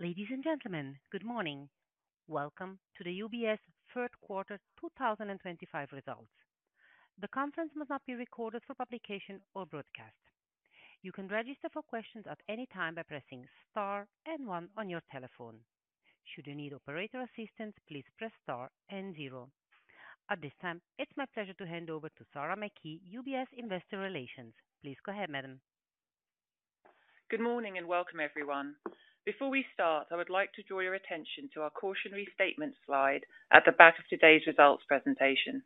Ladies and gentlemen, good morning. Welcome to the UBS third quarter 2025 results. The conference must not be recorded for publication or broadcast. You can register for questions at any time by pressing star and one on your telephone. Should you need operator assistance, please press star and zero. At this time, it's my pleasure to hand over to Sarah Mackey, UBS Investor Relations. Please go ahead, madam. Good morning and welcome, everyone. Before we start, I would like to draw your attention to our cautionary statement slide at the back of today's results presentation.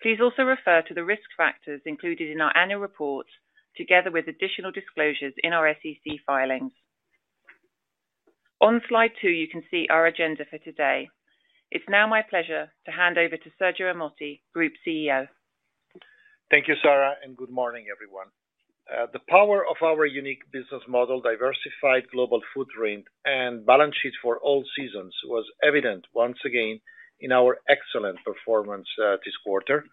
Please also refer to the risk factors included in our annual reports, together with additional disclosures in our SEC filings. On slide two, you can see our agenda for today. It's now my pleasure to hand over to Sergio Ermotti, Group CEO. Thank you, Sara, and good morning, everyone. The power of our unique business model, diversified global footprint, and balance sheets for all seasons was evident once again in our excellent performance this quarter.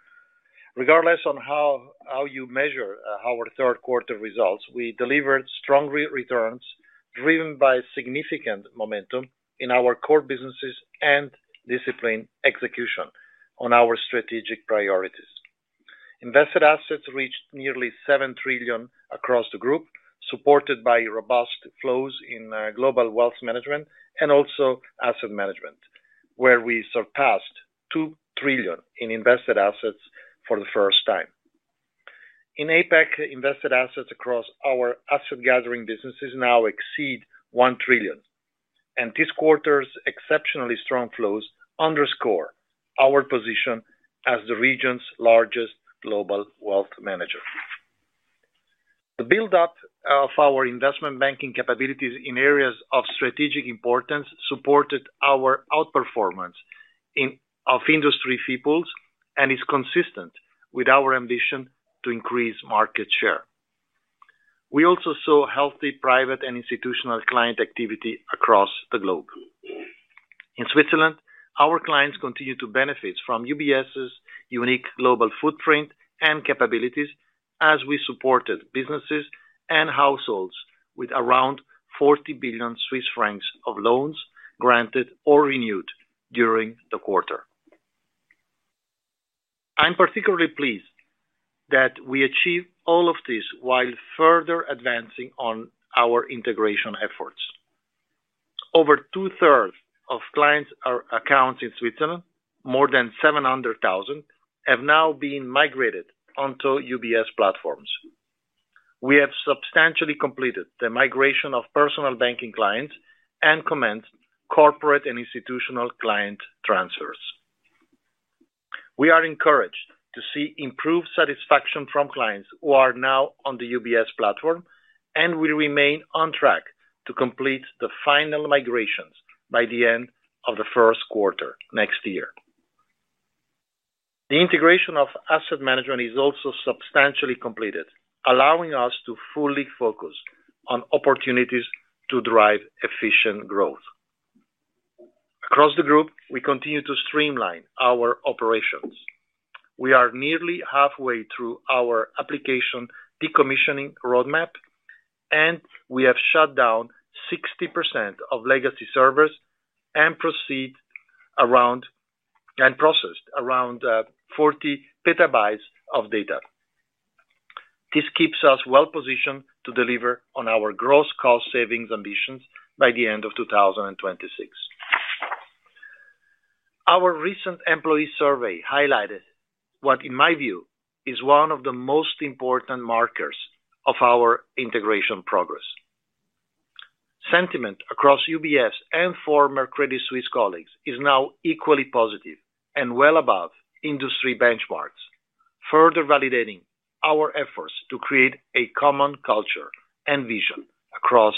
Regardless of how you measure our third quarter results, we delivered strong returns driven by significant momentum in our core businesses and disciplined execution on our strategic priorities. Invested assets reached nearly $7 trillion across the group, supported by robust flows in Global Wealth Management and also Asset Management, where we surpassed $2 trillion in invested assets for the first time. In APAC, invested assets across our asset-gathering businesses now exceed $1 trillion. This quarter's exceptionally strong flows underscore our position as the region's largest global wealth manager. The buildup of our investment banking capabilities in areas of strategic importance supported our outperformance in our industry fee pools and is consistent with our ambition to increase market share. We also saw healthy private and institutional client activity across the globe. In Switzerland, our clients continue to benefit from UBS' unique global footprint and capabilities as we supported businesses and households with around 40 billion Swiss francs of loans granted or renewed during the quarter. I'm particularly pleased that we achieved all of this while further advancing on our integration efforts. Over 2/3 of clients' accounts in Switzerland, more than 700,000, have now been migrated onto UBS platforms. We have substantially completed the migration of personal banking clients and commenced corporate and institutional client transfers. We are encouraged to see improved satisfaction from clients who are now on the UBS platform, and we remain on track to complete the final migrations by the end of the first quarter next year. The integration of Asset Management is also substantially completed, allowing us to fully focus on opportunities to drive efficient growth. Across the group, we continue to streamline our operations. We are nearly halfway through our application decommissioning roadmap, and we have shut down 60% of legacy servers and processed around 40 PB of data. This keeps us well-positioned to deliver on our gross cost savings ambitions by the end of 2026. Our recent employee survey highlighted what, in my view, is one of the most important markers of our integration progress. Sentiment across UBS and former Credit Suisse colleagues is now equally positive and well above industry benchmarks, further validating our efforts to create a common culture and vision across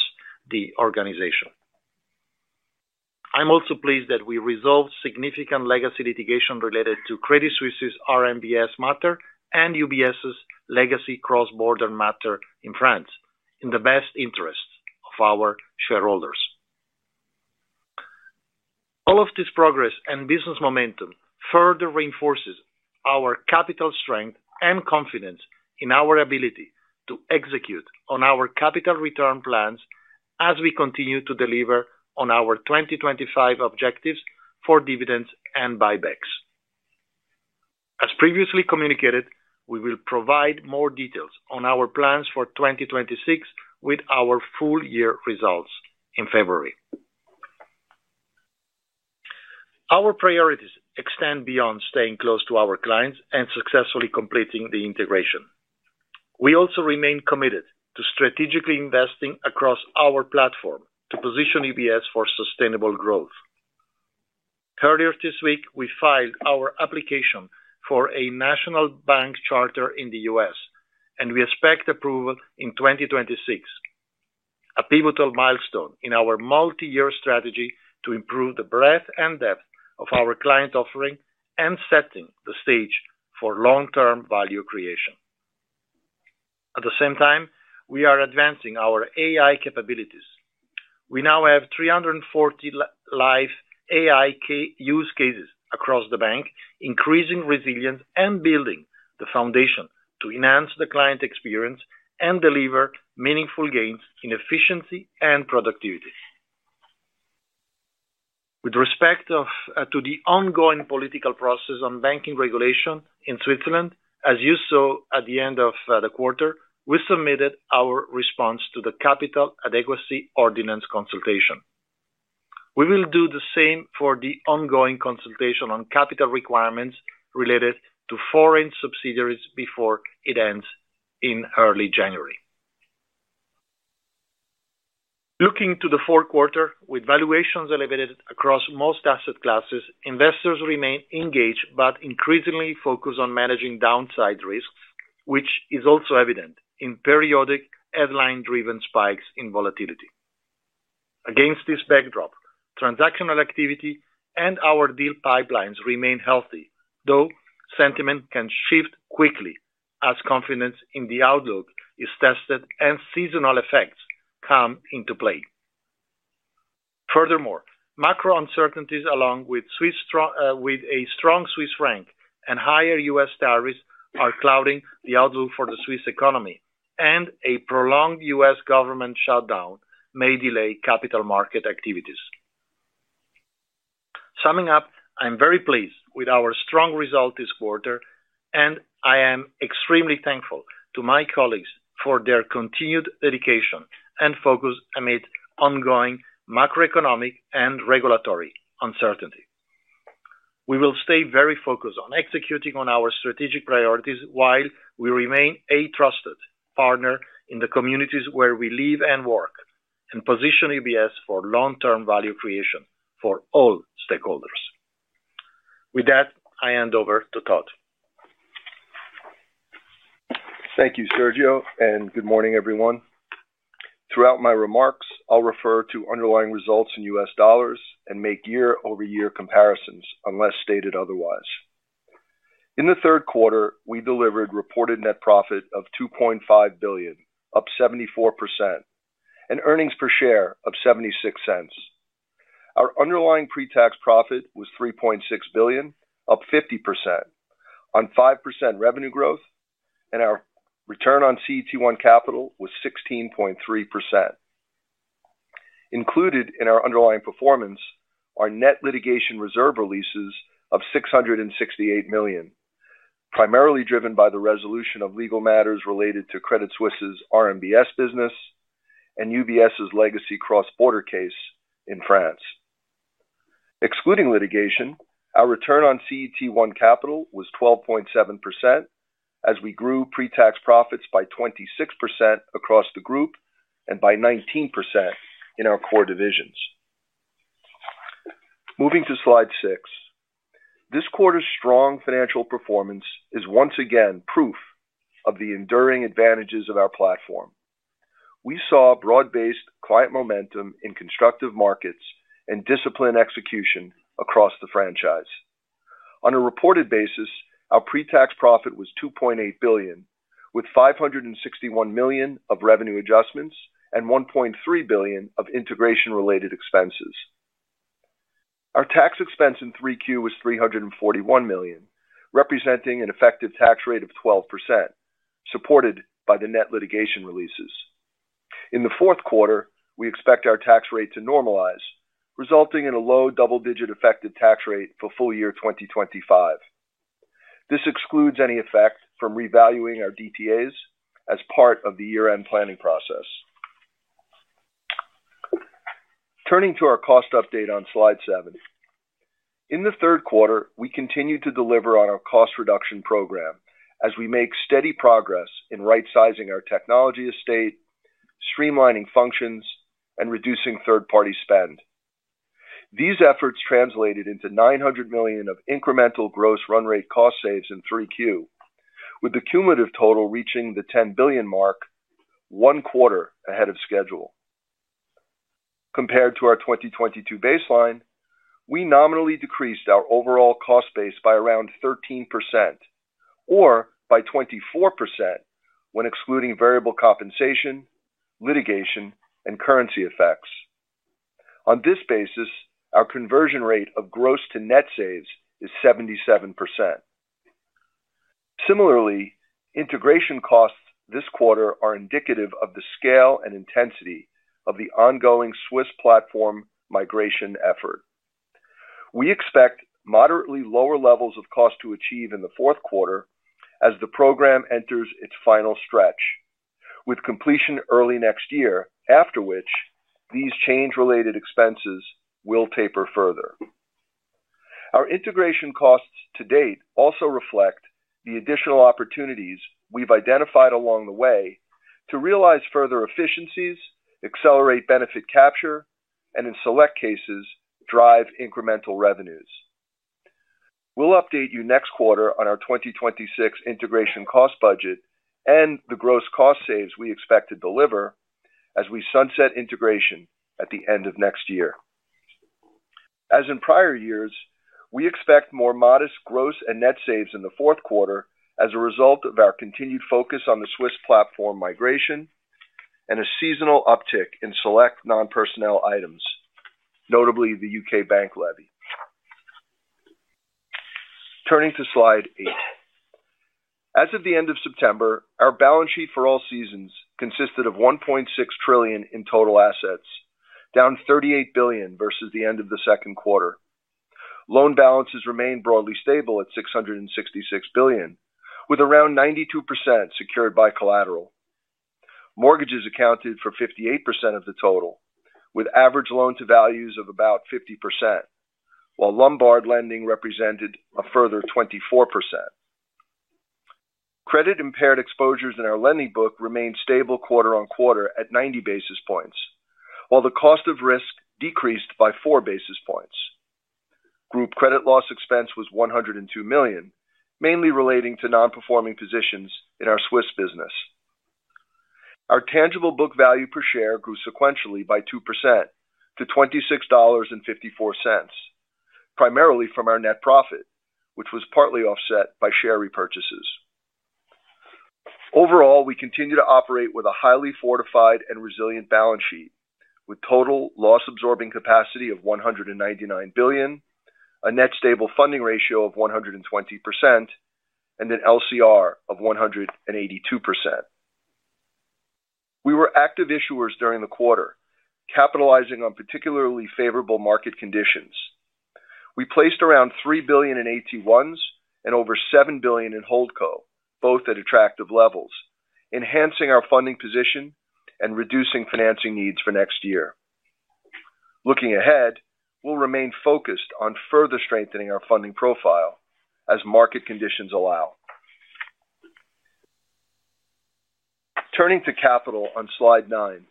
the organization. I'm also pleased that we resolved significant legacy litigation related to Credit Suisse's RMBS matter and UBS's legacy cross-border matter in France in the best interests of our shareholders. All of this progress and business momentum further reinforces our capital strength and confidence in our ability to execute on our capital return plans as we continue to deliver on our 2025 objectives for dividends and buybacks. As previously communicated, we will provide more details on our plans for 2026 with our full-year results in February. Our priorities extend beyond staying close to our clients and successfully completing the integration. We also remain committed to strategically investing across our platform to position UBS for sustainable growth. Earlier this week, we filed our application for a national bank charter in the U.S., and we expect approval in 2026, a pivotal milestone in our multi-year strategy to improve the breadth and depth of our client offering and setting the stage for long-term value creation. At the same time, we are advancing our AI capabilities. We now have 340 live AI use cases across the bank, increasing resilience and building the foundation to enhance the client experience and deliver meaningful gains in efficiency and productivity. With respect to the ongoing political process on banking regulation in Switzerland, as you saw at the end of the quarter, we submitted our response to the Capital Adequacy Ordinance consultation. We will do the same for the ongoing consultation on capital requirements related to foreign subsidiaries before it ends in early January. Looking to the fourth quarter, with valuations elevated across most asset classes, investors remain engaged but increasingly focused on managing downside risks, which is also evident in periodic headline-driven spikes in volatility. Against this backdrop, transactional activity and our deal pipelines remain healthy, though sentiment can shift quickly as confidence in the outlook is tested and seasonal effects come into play. Furthermore, macro uncertainties, along with a strong Swiss franc and higher U.S. tariffs, are clouding the outlook for the Swiss economy, and a prolonged U.S. government shutdown may delay capital market activities. Summing up, I'm very pleased with our strong result this quarter, and I am extremely thankful to my colleagues for their continued dedication and focus amid ongoing macroeconomic and regulatory uncertainty. We will stay very focused on executing on our strategic priorities while we remain a trusted partner in the communities where we live and work and position UBS for long-term value creation for all stakeholders. With that, I hand over to Todd. Thank you, Sergio, and good morning, everyone. Throughout my remarks, I'll refer to underlying results in U.S. dollars and make year-over-year comparisons unless stated otherwise. In the third quarter, we delivered a reported net profit of $2.5 billion, up 74%, and earnings per share of $0.76. Our underlying pre-tax profit was $3.6 billion, up 50% on 5% revenue growth, and our return on CET1 capital was 16.3%. Included in our underlying performance are net litigation reserve releases of $668 million, primarily driven by the resolution of legal matters related to Credit Suisse's RMBS business and UBS' legacy cross-border case in France. Excluding litigation, our return on CET1 capital was 12.7%, as we grew pre-tax profits by 26% across the group and by 19% in our core divisions. Moving to slide six, this quarter's strong financial performance is once again proof of the enduring advantages of our platform. We saw broad-based client momentum in constructive markets and disciplined execution across the franchise. On a reported basis, our pre-tax profit was $2.8 billion, with $561 million of revenue adjustments and $1.3 billion of integration-related expenses. Our tax expense in 3Q was $341 million, representing an effective tax rate of 12%, supported by the net litigation releases. In the fourth quarter, we expect our tax rate to normalize, resulting in a low double-digit effective tax rate for full-year 2025. This excludes any effect from revaluing our DTAs as part of the year-end planning process. Turning to our cost update on slide seven, in the third quarter, we continue to deliver on our cost reduction program as we make steady progress in right-sizing our technology estate, streamlining functions, and reducing third-party spend. These efforts translated into $900 million of incremental gross run-rate cost saves in 3Q, with the cumulative total reaching the $10 billion mark, one quarter ahead of schedule. Compared to our 2022 baseline, we nominally decreased our overall cost base by around 13% or by 24% when excluding variable compensation, litigation, and currency effects. On this basis, our conversion rate of gross to net saves is 77%. Similarly, integration costs this quarter are indicative of the scale and intensity of the ongoing Swiss platform migration effort. We expect moderately lower levels of cost to achieve in the fourth quarter as the program enters its final stretch, with completion early next year, after which these change-related expenses will taper further. Our integration costs to date also reflect the additional opportunities we've identified along the way to realize further efficiencies, accelerate benefit capture, and in select cases, drive incremental revenues. We'll update you next quarter on our 2026 integration cost budget and the gross cost saves we expect to deliver as we sunset integration at the end of next year. As in prior years, we expect more modest gross and net saves in the fourth quarter as a result of our continued focus on the Swiss platform migration and a seasonal uptick in select non-personnel items, notably the U.K. bank levy. Turning to slide eight, as of the end of September, our balance sheet for all seasons consisted of $1.6 trillion in total assets, down $38 billion versus the end of the second quarter. Loan balances remain broadly stable at $666 billion, with around 92% secured by collateral. Mortgages accounted for 58% of the total, with average loan-to-values of about 50%, while Lombard lending represented a further 24%. Credit impaired exposures in our lending book remained stable quarter on quarter at 90 basis points, while the cost of risk decreased by 4 basis points. Group credit loss expense was $102 million, mainly relating to non-performing positions in our Swiss business. Our tangible book value per share grew sequentially by 2% to $26.54, primarily from our net profit, which was partly offset by share repurchases. Overall, we continue to operate with a highly fortified and resilient balance sheet, with total loss-absorbing capacity of $199 billion, a net stable funding ratio of 120%, and an LCR of 182%. We were active issuers during the quarter, capitalizing on particularly favorable market conditions. We placed around $3 billion in AT1s and over $7 billion in hold co, both at attractive levels, enhancing our funding position and reducing financing needs for next year. Looking ahead, we'll remain focused on further strengthening our funding profile as market conditions allow. Turning to capital on slide nine,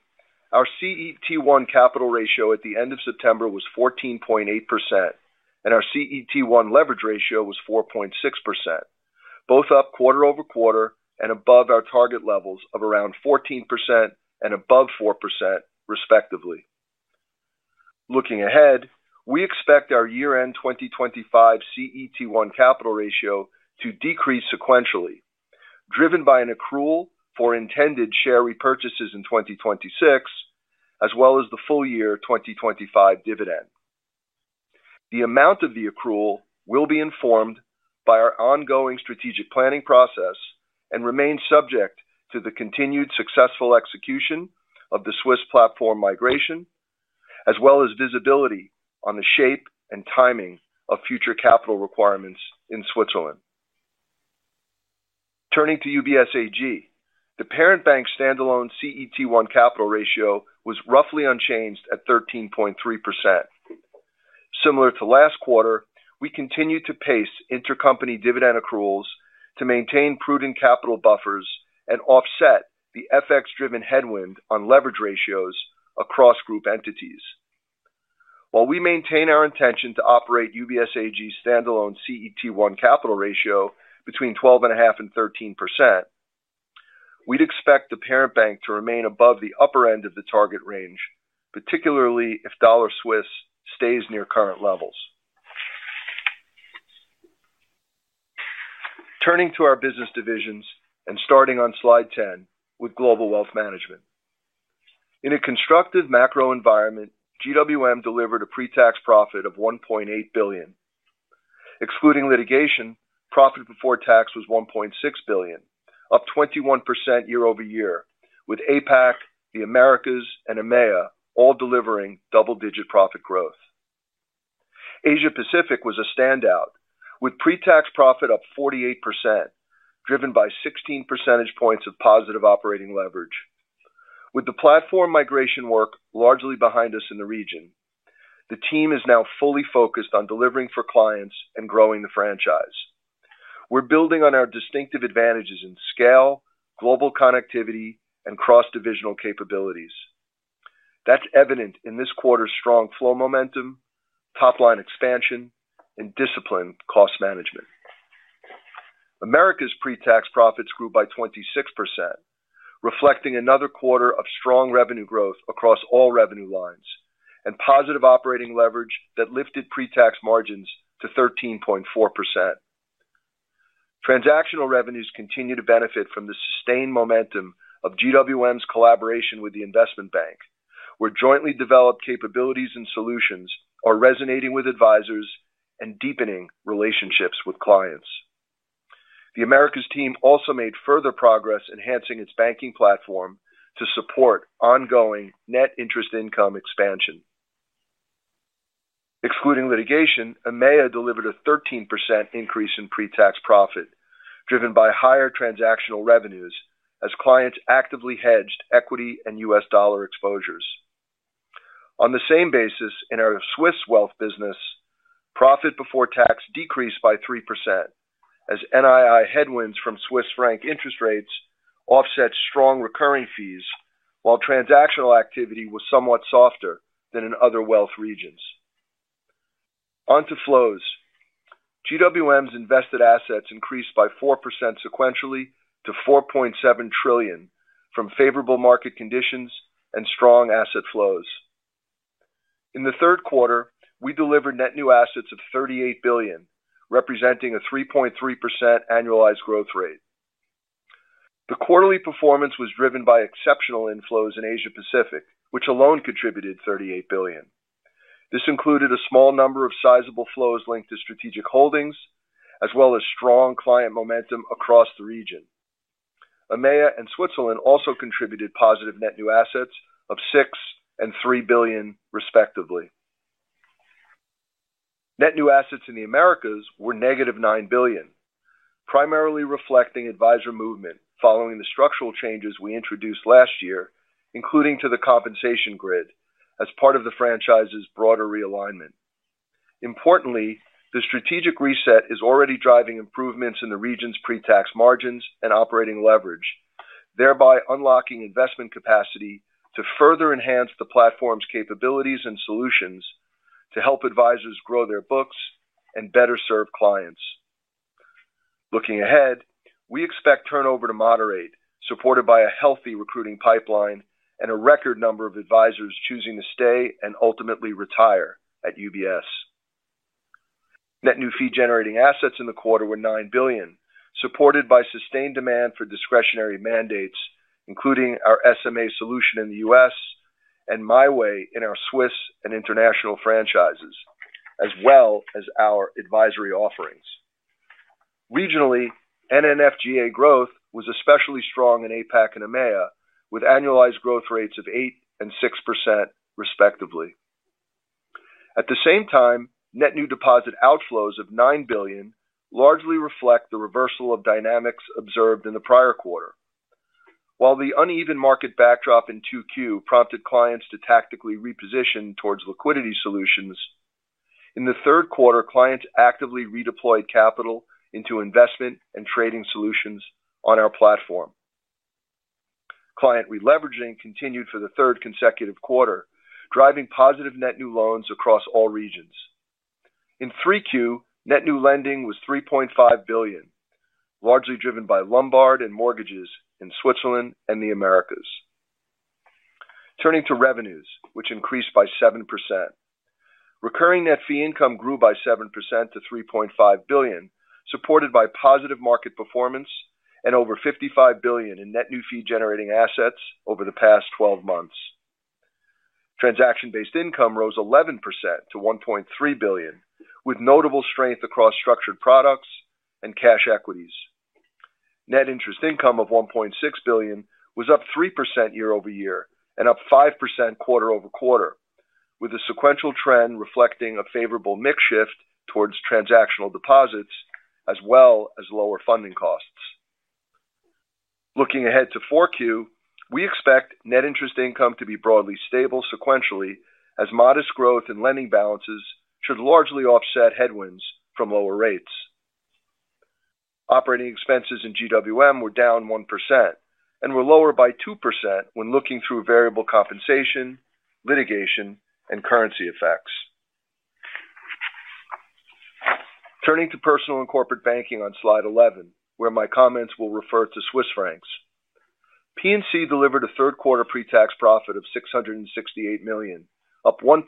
our CET1 capital ratio at the end of September was 14.8%, and our CET1 leverage ratio was 4.6%, both up quarter-over-quarter and above our target levels of around 14% and above 4%, respectively. Looking ahead, we expect our year-end 2025 CET1 capital ratio to decrease sequentially, driven by an accrual for intended share repurchases in 2026, as well as the full-year 2025 dividend. The amount of the accrual will be informed by our ongoing strategic planning process and remains subject to the continued successful execution of the Swiss platform migration, as well as visibility on the shape and timing of future capital requirements in Switzerland. Turning to UBS AG, the parent bank's standalone CET1 capital ratio was roughly unchanged at 13.3%. Similar to last quarter, we continue to pace intercompany dividend accruals to maintain prudent capital buffers and offset the FX-driven headwind on leverage ratios across group entities. While we maintain our intention to operate UBS AG's standalone CET1 capital ratio between 12.5% and 13%, we'd expect the parent bank to remain above the upper end of the target range, particularly if Dollar-Swiss stays near current levels. Turning to our business divisions and starting on slide 10 with Global Wealth Management. In a constructive macro environment, GWM delivered a pre-tax profit of $1.8 billion. Excluding litigation, profit before tax was $1.6 billion, up 21% year-over-year, with APAC, the Americas, and EMEA all delivering double-digit profit growth. Asia Pacific was a standout, with pre-tax profit up 48%, driven by 16 percentage points of positive operating leverage. With the platform migration work largely behind us in the region, the team is now fully focused on delivering for clients and growing the franchise. We're building on our distinctive advantages in scale, global connectivity, and cross-divisional capabilities. That's evident in this quarter's strong flow momentum, top-line expansion, and disciplined cost management. Americas' pre-tax profits grew by 26%, reflecting another quarter of strong revenue growth across all revenue lines and positive operating leverage that lifted pre-tax margins to 13.4%. Transactional revenues continue to benefit from the sustained momentum of GWM's collaboration with the Investment Bank, where jointly developed capabilities and solutions are resonating with advisors and deepening relationships with clients. The Americas team also made further progress enhancing its banking platform to support ongoing net interest income expansion. Excluding litigation, EMEA delivered a 13% increase in pre-tax profit, driven by higher transactional revenues as clients actively hedged equity and U.S. dollar exposures. On the same basis, in our Swiss wealth business, profit before tax decreased by 3% as NII headwinds from Swiss franc interest rates offset strong recurring fees, while transactional activity was somewhat softer than in other wealth regions. On to flows, GWM's invested assets increased by 4% sequentially to $4.7 trillion from favorable market conditions and strong asset flows. In the third quarter, we delivered net new assets of $38 billion, representing a 3.3% annualized growth rate. The quarterly performance was driven by exceptional inflows in APAC, which alone contributed $38 billion. This included a small number of sizable flows linked to strategic holdings, as well as strong client momentum across the region. EMEA and Switzerland also contributed positive net new assets of $6 billion and $3 billion, respectively. Net new assets in the Americas were negative $9 billion, primarily reflecting advisor movement following the structural changes we introduced last year, including to the compensation grid as part of the franchise's broader realignment. Importantly, the strategic reset is already driving improvements in the region's pre-tax margins and operating leverage, thereby unlocking investment capacity to further enhance the platform's capabilities and solutions to help advisors grow their books and better serve clients. Looking ahead, we expect turnover to moderate, supported by a healthy recruiting pipeline and a record number of advisors choosing to stay and ultimately retire at UBS. Net new fee-generating assets in the quarter were $9 billion, supported by sustained demand for discretionary mandates, including our SMA solution in the U.S. and My Way in our Swiss and international franchises, as well as our advisory offerings. Regionally, NNFGA growth was especially strong in APAC and EMEA, with annualized growth rates of 8% and 6%, respectively. At the same time, net new deposit outflows of $9 billion largely reflect the reversal of dynamics observed in the prior quarter. While the uneven market backdrop in 2Q prompted clients to tactically reposition towards liquidity solutions, in the third quarter, clients actively redeployed capital into investment and trading solutions on our platform. Client re-leveraging continued for the third consecutive quarter, driving positive net new loans across all regions. In 3Q, net new lending was $3.5 billion, largely driven by Lombard and mortgages in Switzerland and the Americas. Turning to revenues, which increased by 7%, recurring net fee income grew by 7% to $3.5 billion, supported by positive market performance and over $55 billion in net new fee-generating assets over the past 12 months. Transaction-based income rose 11% to $1.3 billion, with notable strength across structured products and cash equities. Net interest income of $1.6 billion was up 3% year-over-year and up 5% quarter-over-quarter, with a sequential trend reflecting a favorable mix shift towards transactional deposits as well as lower funding costs. Looking ahead to 4Q, we expect net interest income to be broadly stable sequentially as modest growth in lending balances should largely offset headwinds from lower rates. Operating expenses in GWM were down 1% and were lower by 2% when looking through variable compensation, litigation, and currency effects. Turning to Personal and Corporate Banking on slide 11, where my comments will refer to Swiss francs. PNC delivered a third-quarter pre-tax profit of [$668 million], up 1%,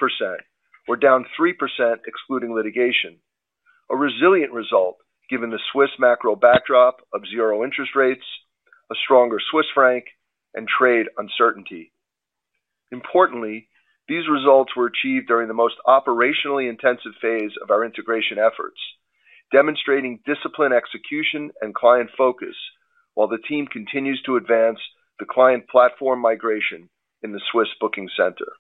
or down 3% excluding litigation, a resilient result given the Swiss macro backdrop of zero interest rates, a stronger Swiss franc, and trade uncertainty. Importantly, these results were achieved during the most operationally intensive phase of our integration efforts, demonstrating disciplined execution and client focus while the team continues to advance the client platform migration in the Swiss booking center.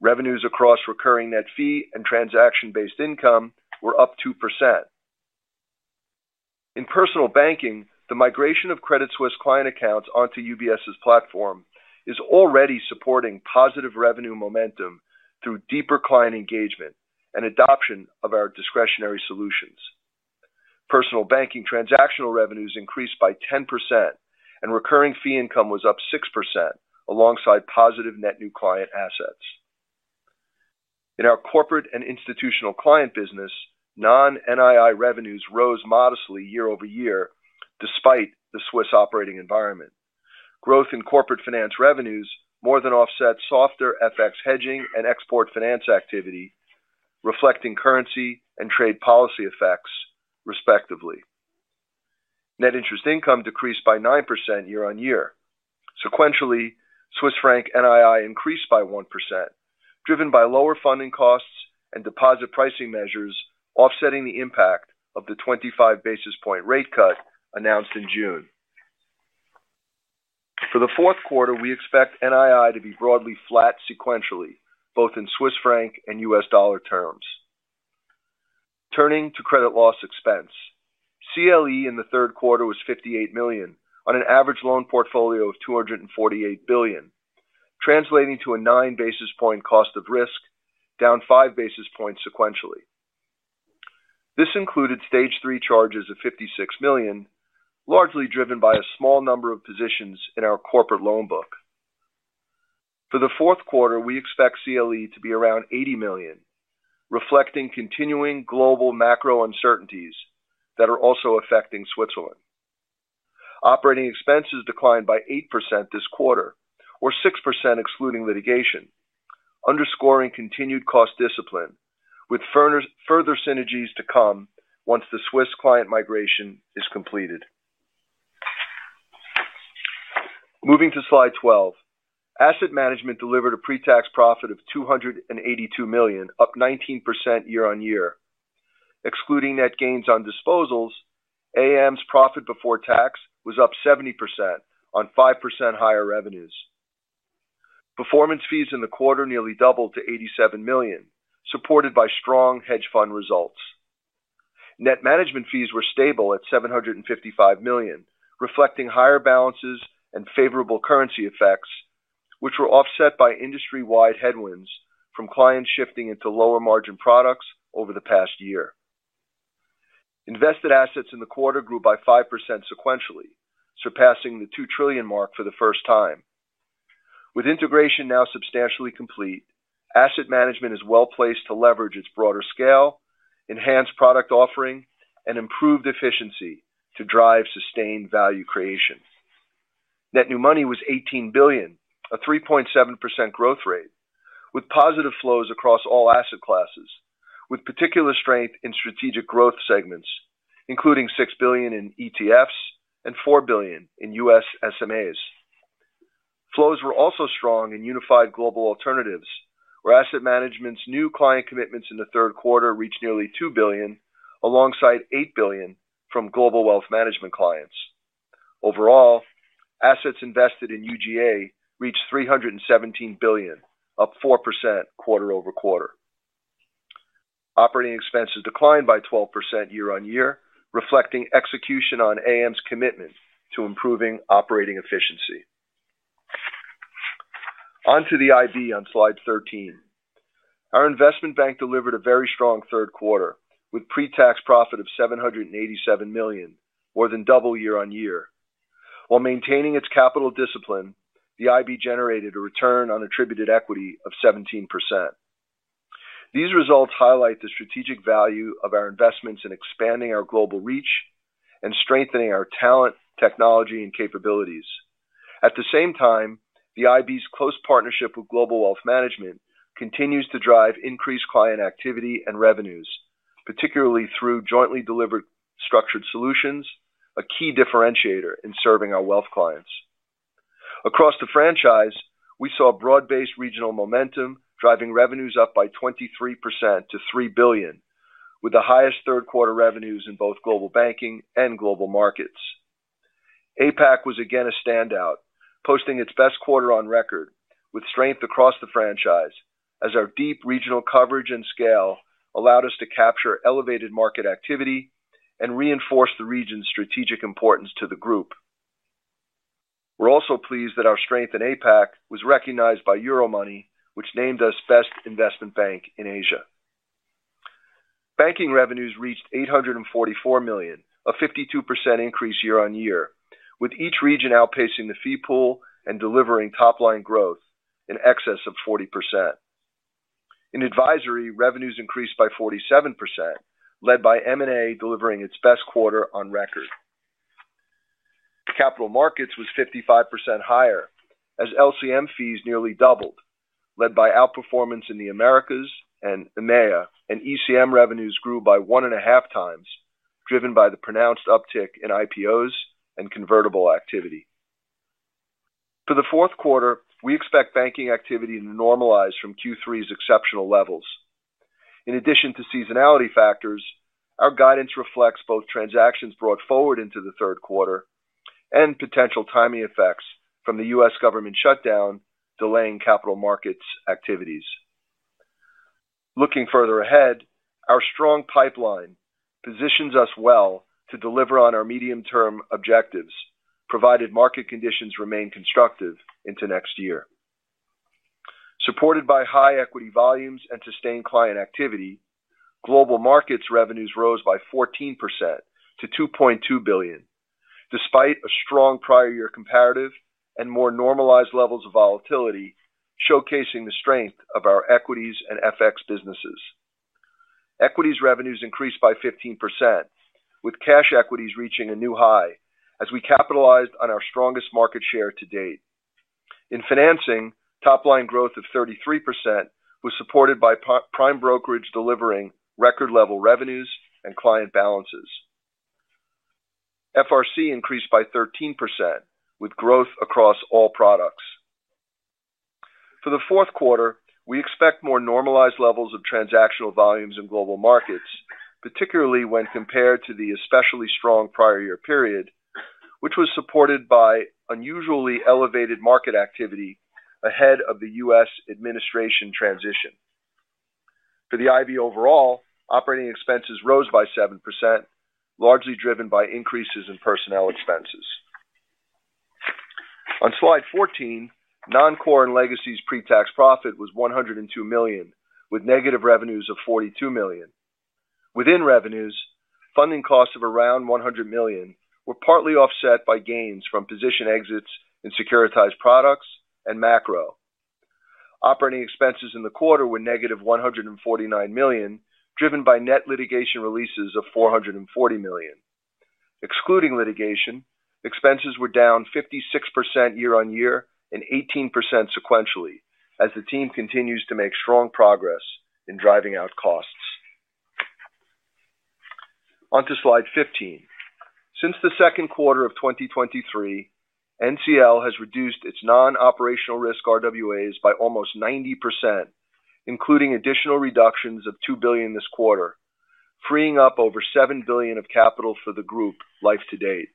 Revenues across recurring net fee and transaction-based income were up 2%. In Personal Banking, the migration of Credit Suisse client accounts onto UBS's platform is already supporting positive revenue momentum through deeper client engagement and adoption of our discretionary solutions. Personal Banking transactional revenues increased by 10%, and recurring fee income was up 6% alongside positive net new client assets. In our Corporate and Institutional Client business, non-NII revenues rose modestly year-over-year despite the Swiss operating environment. Growth in corporate finance revenues more than offset softer FX hedging and export finance activity, reflecting currency and trade policy effects, respectively. Net interest income decreased by 9% year-on-year. Sequentially, Swiss franc NII increased by 1%, driven by lower funding costs and deposit pricing measures offsetting the impact of the 25 basis point rate cut announced in June. For the fourth quarter, we expect NII to be broadly flat sequentially, both in Swiss franc and U.S. dollar terms. Turning to credit loss expense, CLE in the third quarter was $58 million on an average loan portfolio of $248 billion, translating to a 9 basis point cost of risk, down 5 basis points sequentially. This included stage 3 charges of $56 million, largely driven by a small number of positions in our corporate loan book. For the fourth quarter, we expect CLE to be around $80 million, reflecting continuing global macro uncertainties that are also affecting Switzerland. Operating expenses declined by 8% this quarter, or 6% excluding litigation, underscoring continued cost discipline with further synergies to come once the Swiss client migration is completed. Moving to slide 12, Asset Management delivered a pre-tax profit of $282 million, up 19% year-on-year. Excluding net gains on disposals, AM's profit before tax was up 70% on 5% higher revenues. Performance fees in the quarter nearly doubled to $87 million, supported by strong hedge fund results. Net management fees were stable at $755 million, reflecting higher balances and favorable currency effects, which were offset by industry-wide headwinds from clients shifting into lower margin products over the past year. Invested assets in the quarter grew by 5% sequentially, surpassing the $2 trillion mark for the first time. With integration now substantially complete, Asset Management is well placed to leverage its broader scale, enhanced product offering, and improved efficiency to drive sustained value creation. Net new money was $18 billion, a 3.7% growth rate with positive flows across all asset classes, with particular strength in strategic growth segments, including $6 billion in ETFs and $4 billion in U.S. SMAs. Flows were also strong in Unified Global Alternatives, where Asset Management's new client commitments in the third quarter reached nearly $2 billion, alongside $8 billion from Global Wealth Management clients. Overall, assets invested in UGA reached $317 billion, up 4% quarter-over-quarter. Operating expenses declined by 12% year-on-year, reflecting execution on AM's commitment to improving operating efficiency. On to the IB on slide 13. Our investment bank delivered a very strong third quarter with a pre-tax profit of $787 million, more than double year-on-year. While maintaining its capital discipline, the IB generated a return on attributed equity of 17%. These results highlight the strategic value of our investments in expanding our global reach and strengthening our talent, technology, and capabilities. At the same time, the IB's close partnership with Global Wealth Management continues to drive increased client activity and revenues, particularly through jointly delivered structured solutions, a key differentiator in serving our wealth clients. Across the franchise, we saw broad-based regional momentum driving revenues up by 23% to $3 billion, with the highest third quarter revenues in both Global Banking and Global Markets. APAC was again a standout, posting its best quarter on record with strength across the franchise as our deep regional coverage and scale allowed us to capture elevated market activity and reinforce the region's strategic importance to the group. We're also pleased that our strength in APAC was recognized by Euromoney, which named us best investment bank in Asia. Banking revenues reached $844 million, a 52% increase year-on-year, with each region outpacing the fee pool and delivering top-line growth in excess of 40%. In advisory, revenues increased by 47%, led by M&A delivering its best quarter on record. Capital markets was 55% higher as LCM fees nearly doubled, led by outperformance in the Americas and EMEA, and ECM revenues grew by 1.5x, driven by the pronounced uptick in IPOs and convertible activity. For the fourth quarter, we expect banking activity to normalize from Q3's exceptional levels. In addition to seasonality factors, our guidance reflects both transactions brought forward into the third quarter and potential timely effects from the U.S. government shutdown delaying capital markets activities. Looking further ahead, our strong pipeline positions us well to deliver on our medium-term objectives, provided market conditions remain constructive into next year. Supported by high equity volumes and sustained client activity, Global Markets revenues rose by 14% to $2.2 billion, despite a strong prior year comparative and more normalized levels of volatility, showcasing the strength of our equities and FX businesses. Equities revenues increased by 15%, with cash equities reaching a new high as we capitalized on our strongest market share to date. In financing, top-line growth of 33% was supported by Prime Brokerage delivering record-level revenues and client balances. FRC increased by 13%, with growth across all products. For the fourth quarter, we expect more normalized levels of transactional volumes in Global Markets, particularly when compared to the especially strong prior year period, which was supported by unusually elevated market activity ahead of the U.S. administration transition. For the IB overall, operating expenses rose by 7%, largely driven by increases in personnel expenses. On slide 14, Non-Core and Legacy's pre-tax profit was $102 million, with negative revenues of $42 million. Within revenues, funding costs of around $100 million were partly offset by gains from position exits in securitized products and macro. Operating expenses in the quarter were -$149 million, driven by net litigation releases of $440 million. Excluding litigation, expenses were down 56% year-on-year and 18% sequentially, as the team continues to make strong progress in driving out costs. On to slide 15. Since the second quarter of 2023, NCL has reduced its non-operational risk RWAs by almost 90%, including additional reductions of $2 billion this quarter, freeing up over $7 billion of capital for the group life-to-date.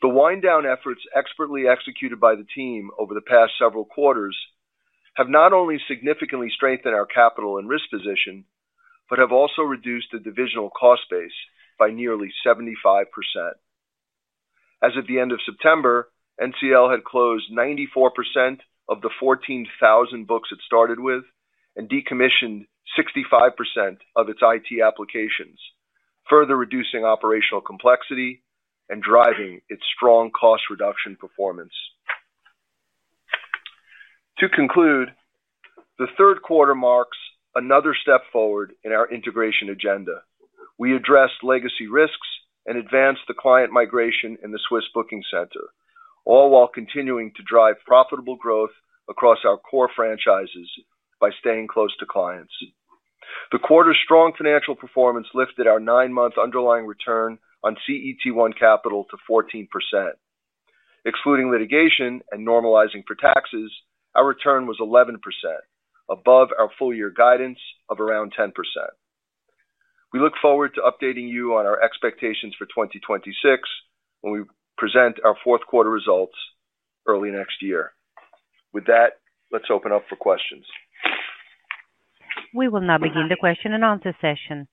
The wind-down efforts expertly executed by the team over the past several quarters have not only significantly strengthened our capital and risk position, but have also reduced the divisional cost base by nearly 75%. As of the end of September, NCL had closed 94% of the 14,000 books it started with and decommissioned 65% of its IT applications, further reducing operational complexity and driving its strong cost reduction performance. To conclude, the third quarter marks another step forward in our integration agenda. We addressed legacy risks and advanced the client migration in the Swiss booking center, all while continuing to drive profitable growth across our core franchises by staying close to clients. The quarter's strong financial performance lifted our nine-month underlying return on CET1 capital to 14%. Excluding litigation and normalizing for taxes, our return was 11%, above our full-year guidance of around 10%. We look forward to updating you on our expectations for 2026 when we present our fourth quarter results early next year. With that, let's open up for questions. We will now begin the question and answer session.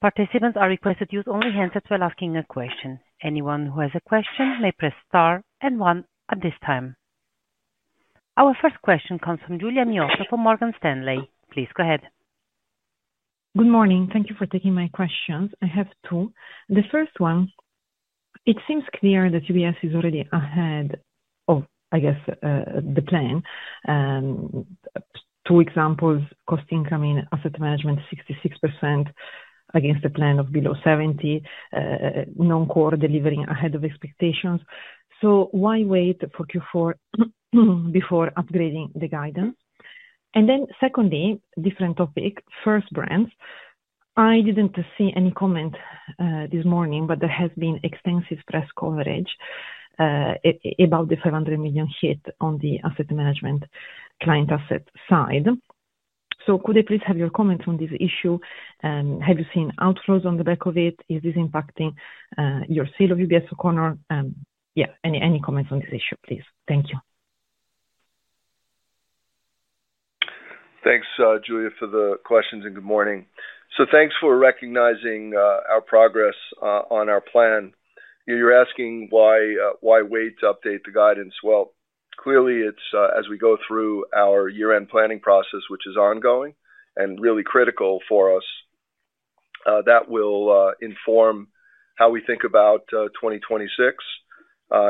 Participants are requested to use only hands that are asking a question. Anyone who has a question may press star and one at this time. Our first question comes from Giulia Miotto from Morgan Stanley. Please go ahead. Good morning. Thank you for taking my questions. I have two. The first one, it seems clear that UBS is already ahead of, I guess, the plan. Two examples: cost incoming asset management, 66% against the plan of below 70%, non-core delivering ahead of expectations. Why wait for Q4 before upgrading the guidance? Secondly, a different topic, first brands. I didn't see any comment this morning, but there has been extensive press coverage about the $500 million hit on the asset management client asset side. Could I please have your comments on this issue? Have you seen outflows on the back of it? Is this impacting your sale of UBS or corner? Any comments on this issue, please? Thank you. Thanks, Giulia, for the questions and good morning. Thanks for recognizing our progress on our plan. You're asking why wait to update the guidance. Clearly, as we go through our year-end planning process, which is ongoing and really critical for us, that will inform how we think about 2026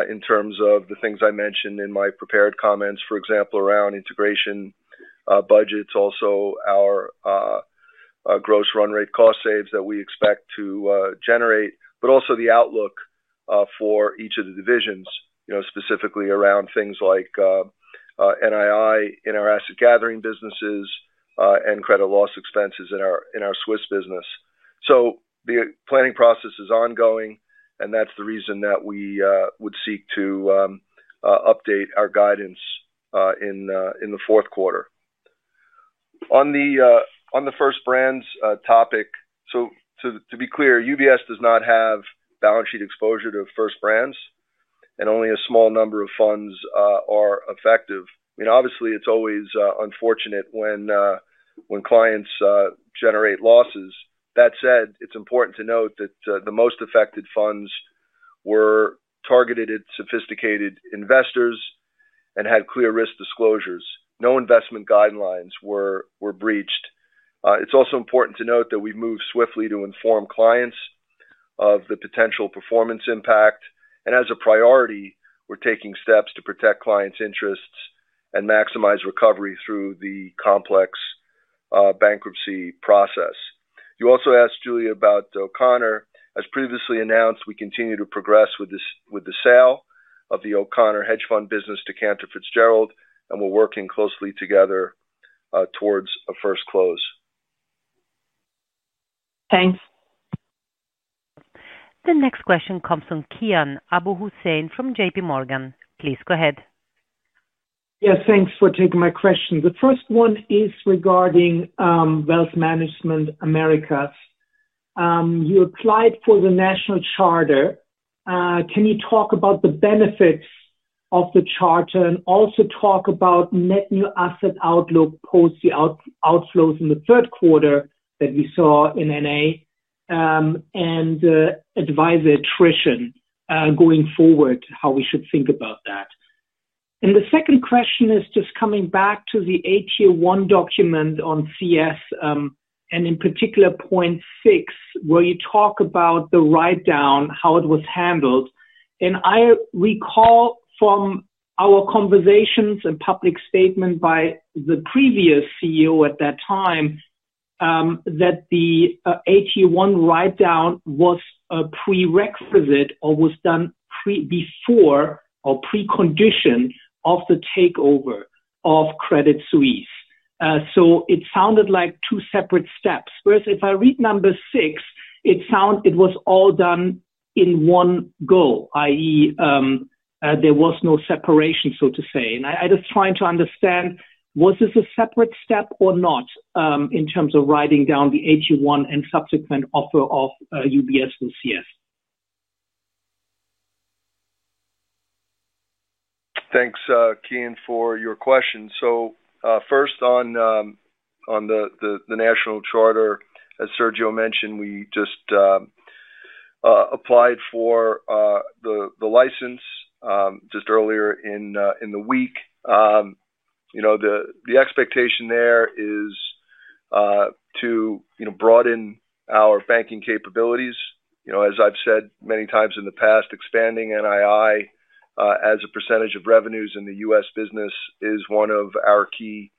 in terms of the things I mentioned in my prepared comments, for example, around integration budgets, also our gross run-rate cost saves that we expect to generate, but also the outlook for each of the divisions, specifically around things like NII in our asset gathering businesses and credit loss expenses in our Swiss business. The planning process is ongoing, and that's the reason that we would seek to update our guidance in the fourth quarter. On the First Brands topic, to be clear, UBS does not have balance sheet exposure to First Brands, and only a small number of funds are affected. Obviously, it's always unfortunate when clients generate losses. That said, it's important to note that the most affected funds were targeted at sophisticated investors and had clear risk disclosures. No investment guidelines were breached. It's also important to note that we move swiftly to inform clients of the potential performance impact. As a priority, we're taking steps to protect clients' interests and maximize recovery through the complex bankruptcy process. You also asked, Giulia, about the O'Connor. As previously announced, we continue to progress with the sale of the O'Connor hedge fund business to Cantor Fitzgerald, and we're working closely together towards a first close. Thanks. The next question comes from Kian Abouhossein from JPMorgan. Please go ahead. Yes, thanks for taking my question. The first one is regarding Wealth Management Americas. You applied for the national charter. Can you talk about the benefits of the charter and also talk about net new asset outlook post the outflows in the third quarter that we saw in NA and advise attrition going forward, how we should think about that? The second question is just coming back to the AT1 document on CS and in particular point six, where you talk about the write-down, how it was handled. I recall from our conversations and public statement by the previous CEO at that time that the AT1 write-down was a prerequisite or was done pre-before or pre-condition of the takeover of Credit Suisse. It sounded like two separate steps. If I read number six, it sounds it was all done in one go, i.e., there was no separation, so to say. I'm just trying to understand, was this a separate step or not in terms of writing down the AT1 and subsequent offer of UBS with CS? Thanks, Kian, for your question. First, on the national charter, as Sergio mentioned, we just applied for the license earlier in the week. The expectation there is to broaden our banking capabilities. As I've said many times in the past, expanding NII as a percentage of revenues in the U.S. business is one of our key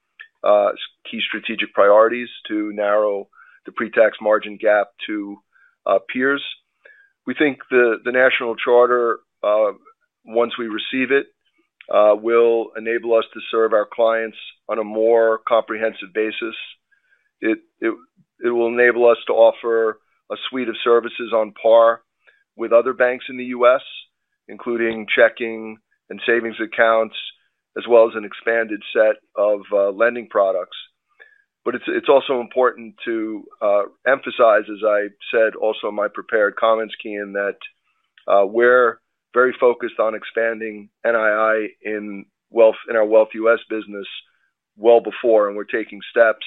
strategic priorities to narrow the pre-tax margin gap to peers. We think the national charter, once we receive it, will enable us to serve our clients on a more comprehensive basis. It will enable us to offer a suite of services on par with other banks in the U.S., including checking and savings accounts, as well as an expanded set of lending products. It's also important to emphasize, as I said in my prepared comments, Kian, that we're very focused on expanding NII in our Wealth U.S. business well before, and we're taking steps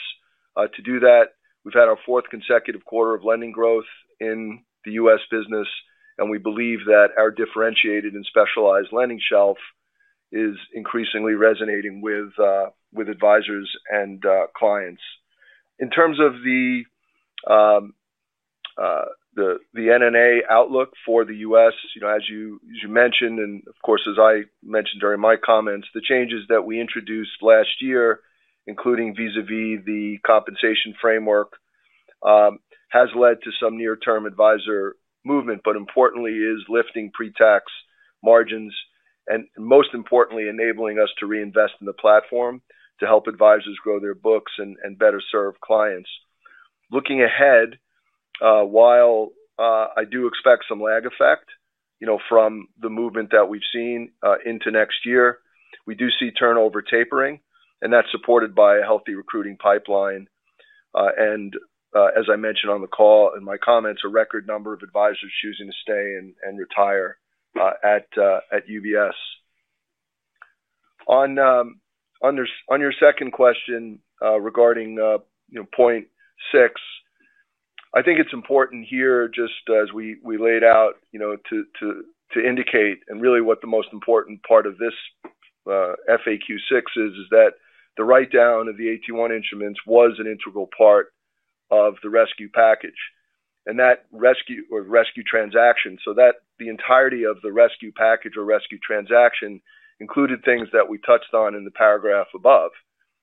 to do that. We've had our fourth consecutive quarter of lending growth in the U.S. business, and we believe that our differentiated and specialized lending shelf is increasingly resonating with advisors and clients. In terms of the NNA outlook for the U.S., as you mentioned, and as I mentioned during my comments, the changes that we introduced last year, including vis-à-vis the compensation framework, have led to some near-term advisor movement, but importantly, are lifting pre-tax margins and, most importantly, enabling us to reinvest in the platform to help advisors grow their books and better serve clients. Looking ahead, while I do expect some lag effect from the movement that we've seen into next year, we do see turnover tapering, and that's supported by a healthy recruiting pipeline. As I mentioned on the call in my comments, a record number of advisors are choosing to stay and retire at UBS. On your second question regarding point six, I think it's important here, just as we laid out, to indicate what the most important part of this FAQ six is, which is that the write-down of the AT1 instruments was an integral part of the rescue package and that rescue or rescue transaction. The entirety of the rescue package or rescue transaction included things that we touched on in the paragraph above,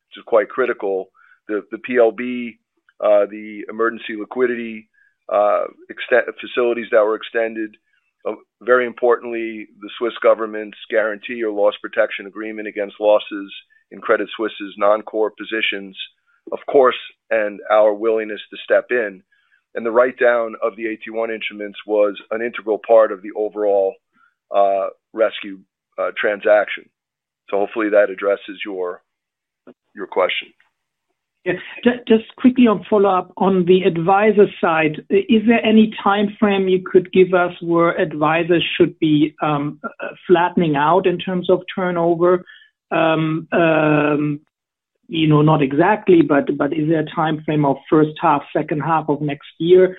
which is quite critical: the PLB, the emergency liquidity facilities that were extended, and, very importantly, the Swiss government's guarantee or loss protection agreement against losses in Credit Suisse's non-core positions, of course, and our willingness to step in. The write-down of the AT1 instruments was an integral part of the overall rescue transaction. Hopefully, that addresses your question. Yes. Just quickly, on follow-up on the advisor side, is there any timeframe you could give us where advisors should be flattening out in terms of turnover? You know, not exactly, but is there a timeframe of first half, second half of next year?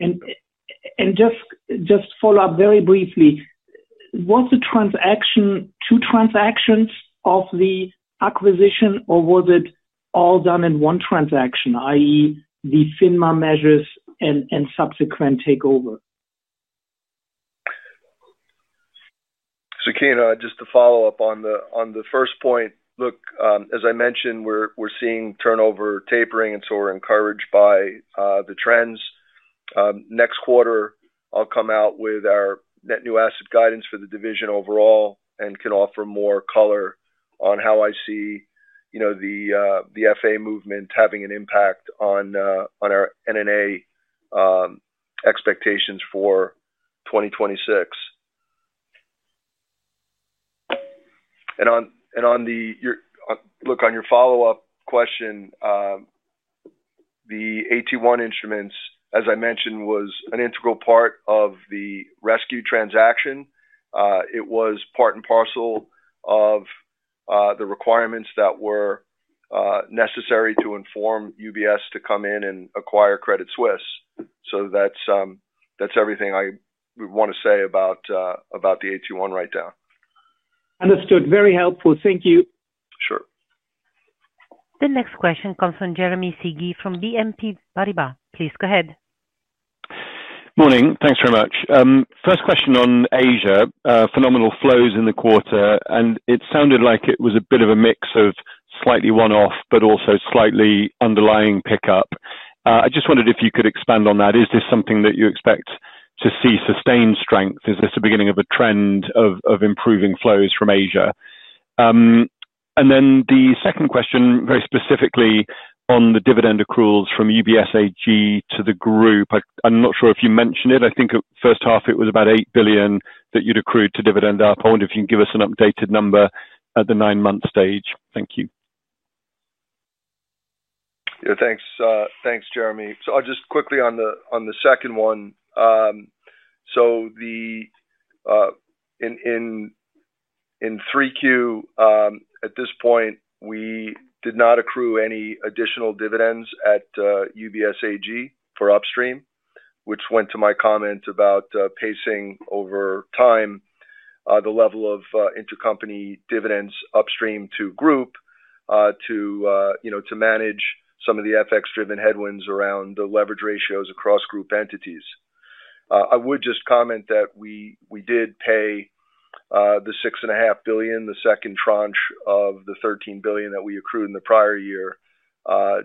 Just follow up very briefly, was the transaction two transactions of the acquisition, or was it all done in one transaction, i.e., the FINMA measures and subsequent takeover? Kian, just to follow up on the first point, as I mentioned, we're seeing turnover tapering, and we're encouraged by the trends. Next quarter, I'll come out with our net new asset guidance for the division overall and can offer more color on how I see the FA movement having an impact on our NNA expectations for 2026. On your follow-up question, the AT1 instruments, as I mentioned, were an integral part of the rescue transaction. It was part and parcel of the requirements that were necessary to inform UBS to come in and acquire Credit Suisse. That's everything I would want to say about the AT1 write-down. Understood. Very helpful. Thank you. Sure. The next question comes from Jeremy Sigee from BNP Paribas. Please go ahead. Morning. Thanks very much. First question on Asia, phenomenal flows in the quarter, and it sounded like it was a bit of a mix of slightly one-off, but also slightly underlying pickup. I just wondered if you could expand on that. Is this something that you expect to see sustained strength? Is this the beginning of a trend of improving flows from Asia? The second question, very specifically on the dividend accruals from UBS AG to the group, I'm not sure if you mentioned it. I think at first half, it was about $8 billion that you'd accrued to dividend up. I wonder if you can give us an updated number at the nine-month stage. Thank you. Yeah, thanks, Jeremy. I'll just quickly on the second one. In 3Q, at this point, we did not accrue any additional dividends at UBS AG for upstream, which went to my comments about pacing over time, the level of intercompany dividends upstream to group to manage some of the FX-driven headwinds around the leverage ratios across group entities. I would just comment that we did pay the $6.5 billion, the second tranche of the $13 billion that we accrued in the prior year,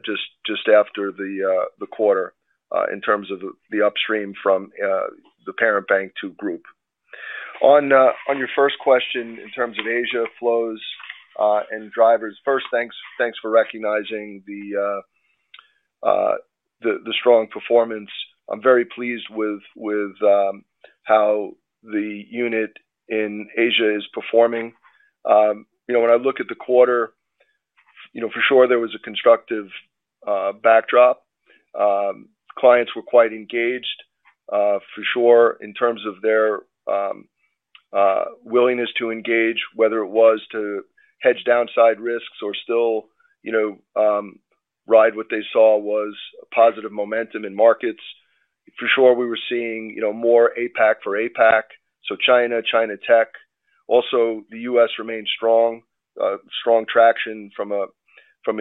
just after the quarter in terms of the upstream from the parent bank to group. On your first question, in terms of Asia flows and drivers, first, thanks for recognizing the strong performance. I'm very pleased with how the unit in Asia is performing. When I look at the quarter, for sure, there was a constructive backdrop. Clients were quite engaged, for sure, in terms of their willingness to engage, whether it was to hedge downside risks or still ride what they saw was positive momentum in markets. For sure, we were seeing more APAC for APAC, so China, China Tech. Also, the U.S. remained strong, strong traction from a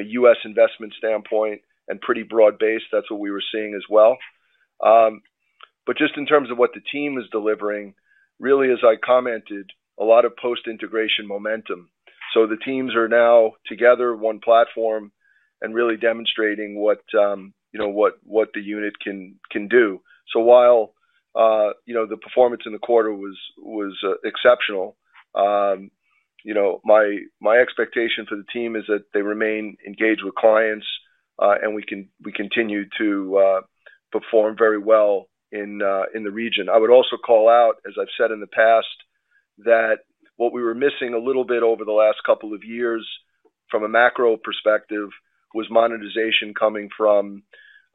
U.S. investment standpoint and pretty broad-based. That's what we were seeing as well. In terms of what the team is delivering, really, as I commented, a lot of post-integration momentum. The teams are now together, one platform, and really demonstrating what the unit can do. While the performance in the quarter was exceptional, my expectation for the team is that they remain engaged with clients, and we continue to perform very well in the region. I would also call out, as I've said in the past, that what we were missing a little bit over the last couple of years from a macro perspective was monetization coming from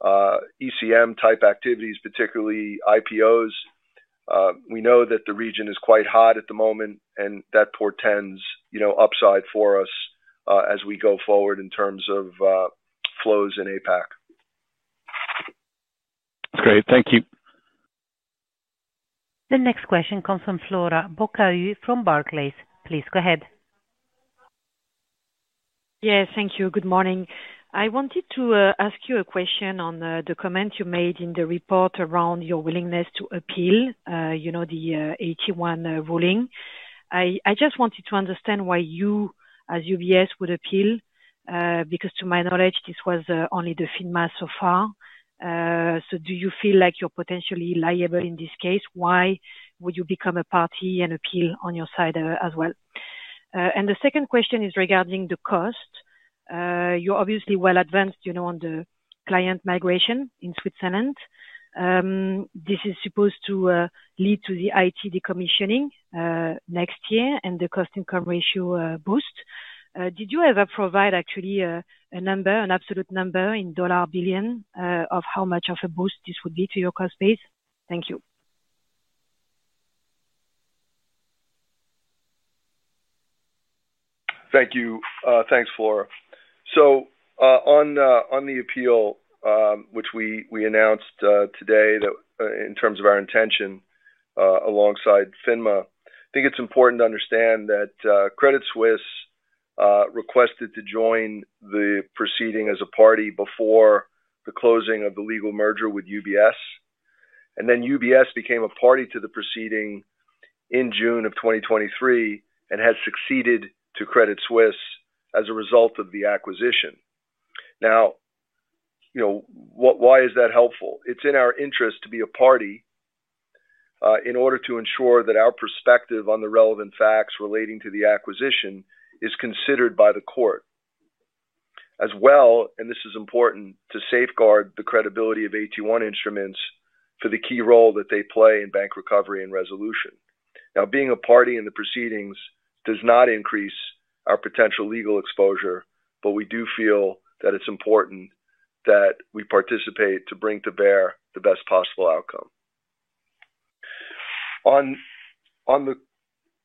ECM-type activities, particularly IPOs. We know that the region is quite hot at the moment, and that portends upside for us as we go forward in terms of flows in APAC. That's great. Thank you. The next question comes from Flora Bocahut from Barclays. Please go ahead. Thank you. Good morning. I wanted to ask you a question on the comment you made in the report around your willingness to appeal the AT1 ruling. I just wanted to understand why you, as UBS, would appeal, because to my knowledge, this was only FINMA so far. Do you feel like you're potentially liable in this case? Why would you become a party and appeal on your side as well? The second question is regarding the cost. You're obviously well advanced on the client migration in Switzerland. This is supposed to lead to the IT decommissioning next year and the cost income ratio boost. Did you ever provide actually a number, an absolute number in dollar billion, of how much of a boost this would be to your cost base? Thank you. Thank you. Thanks, Flora. On the appeal, which we announced today in terms of our intention alongside FINMA, I think it's important to understand that Credit Suisse requested to join the proceeding as a party before the closing of the legal merger with UBS. UBS became a party to the proceeding in June of 2023 and had succeeded to Credit Suisse as a result of the acquisition. Now, why is that helpful? It's in our interest to be a party in order to ensure that our perspective on the relevant facts relating to the acquisition is considered by the court as well, and this is important to safeguard the credibility of AT1 instruments for the key role that they play in bank recovery and resolution. Being a party in the proceedings does not increase our potential legal exposure, but we do feel that it's important that we participate to bring to bear the best possible outcome. On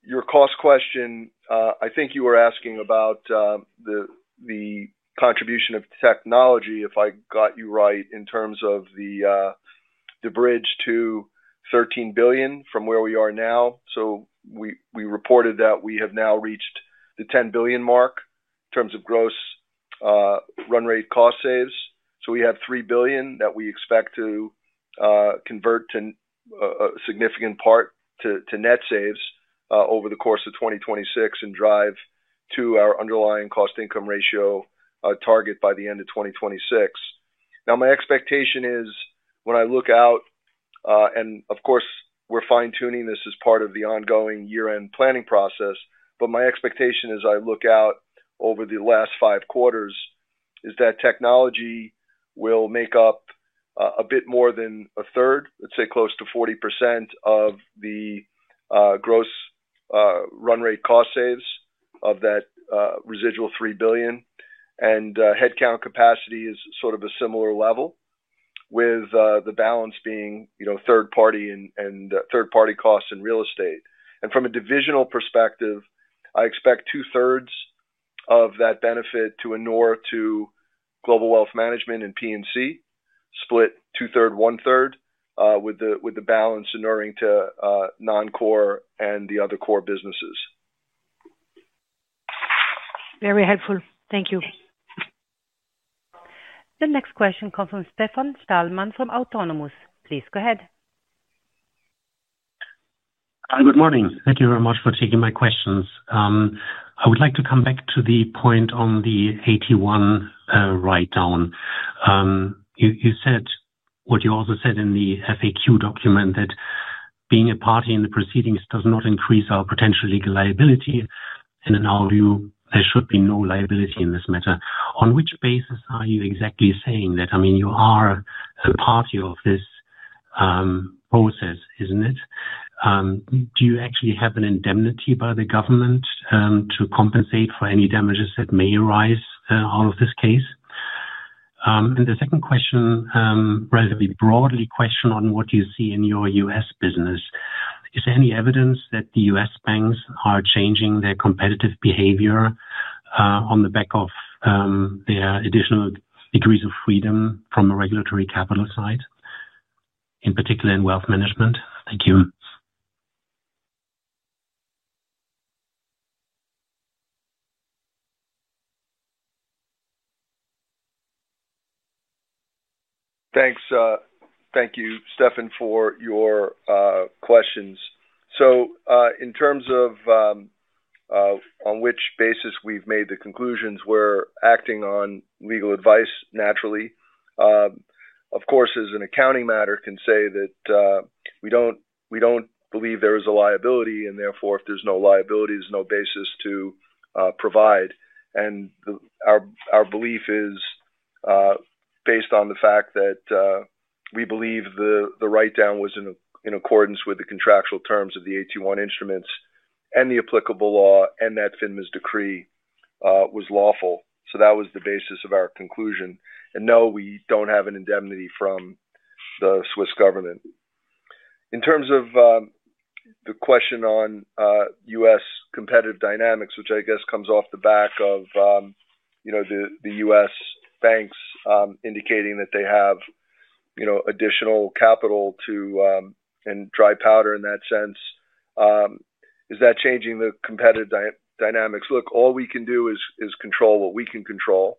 your cost question, I think you were asking about the contribution of technology, if I got you right, in terms of the bridge to $13 billion from where we are now. We reported that we have now reached the $10 billion mark in terms of gross run-rate cost saves. We have $3 billion that we expect to convert to a significant part to net saves over the course of 2026 and drive to our underlying cost income ratio target by the end of 2026. My expectation is when I look out, and of course, we're fine-tuning this as part of the ongoing year-end planning process, but my expectation as I look out over the last five quarters is that technology will make up a bit more than 1/3, let's say close to 40% of the gross run-rate cost saves of that residual $3 billion. Headcount capacity is sort of a similar level with the balance being third-party costs and real estate. From a divisional perspective, I expect two-thirds of that benefit to inure to Global Wealth Management and P&C, split 2/3, 1/3 with the balance inuring to Non-Core and the other core businesses. Very helpful. Thank you. The next question comes from Stefan Stalmann from Autonomous. Please go ahead. Hi, good morning. Thank you very much for taking my questions. I would like to come back to the point on the AT1 write-down. You said what you also said in the FAQ document, that being a party in the proceedings does not increase our potential legal liability, and in our view, there should be no liability in this matter. On which basis are you exactly saying that? I mean, you are a party of this process, isn't it? Do you actually have an indemnity by the government to compensate for any damages that may arise out of this case? The second question, rather broadly, on what do you see in your U.S. business, is there any evidence that the U.S. banks are changing their competitive behavior on the back of their additional degrees of freedom from a regulatory capital side, in particular in Wealth Management? Thank you. Thanks. Thank you, Stefan, for your questions. In terms of on which basis we've made the conclusions, we're acting on legal advice naturally. Of course, as an accounting matter, I can say that we don't believe there is a liability, and therefore, if there's no liability, there's no basis to provide. Our belief is based on the fact that we believe the write-down was in accordance with the contractual terms of the AT1 instruments and the applicable law, and that FINMA's decree was lawful. That was the basis of our conclusion. No, we don't have an indemnity from the Swiss government. In terms of the question on U.S. competitive dynamics, which I guess comes off the back of the U.S. banks indicating that they have additional capital and dry powder in that sense, is that changing the competitive dynamics? Look, all we can do is control what we can control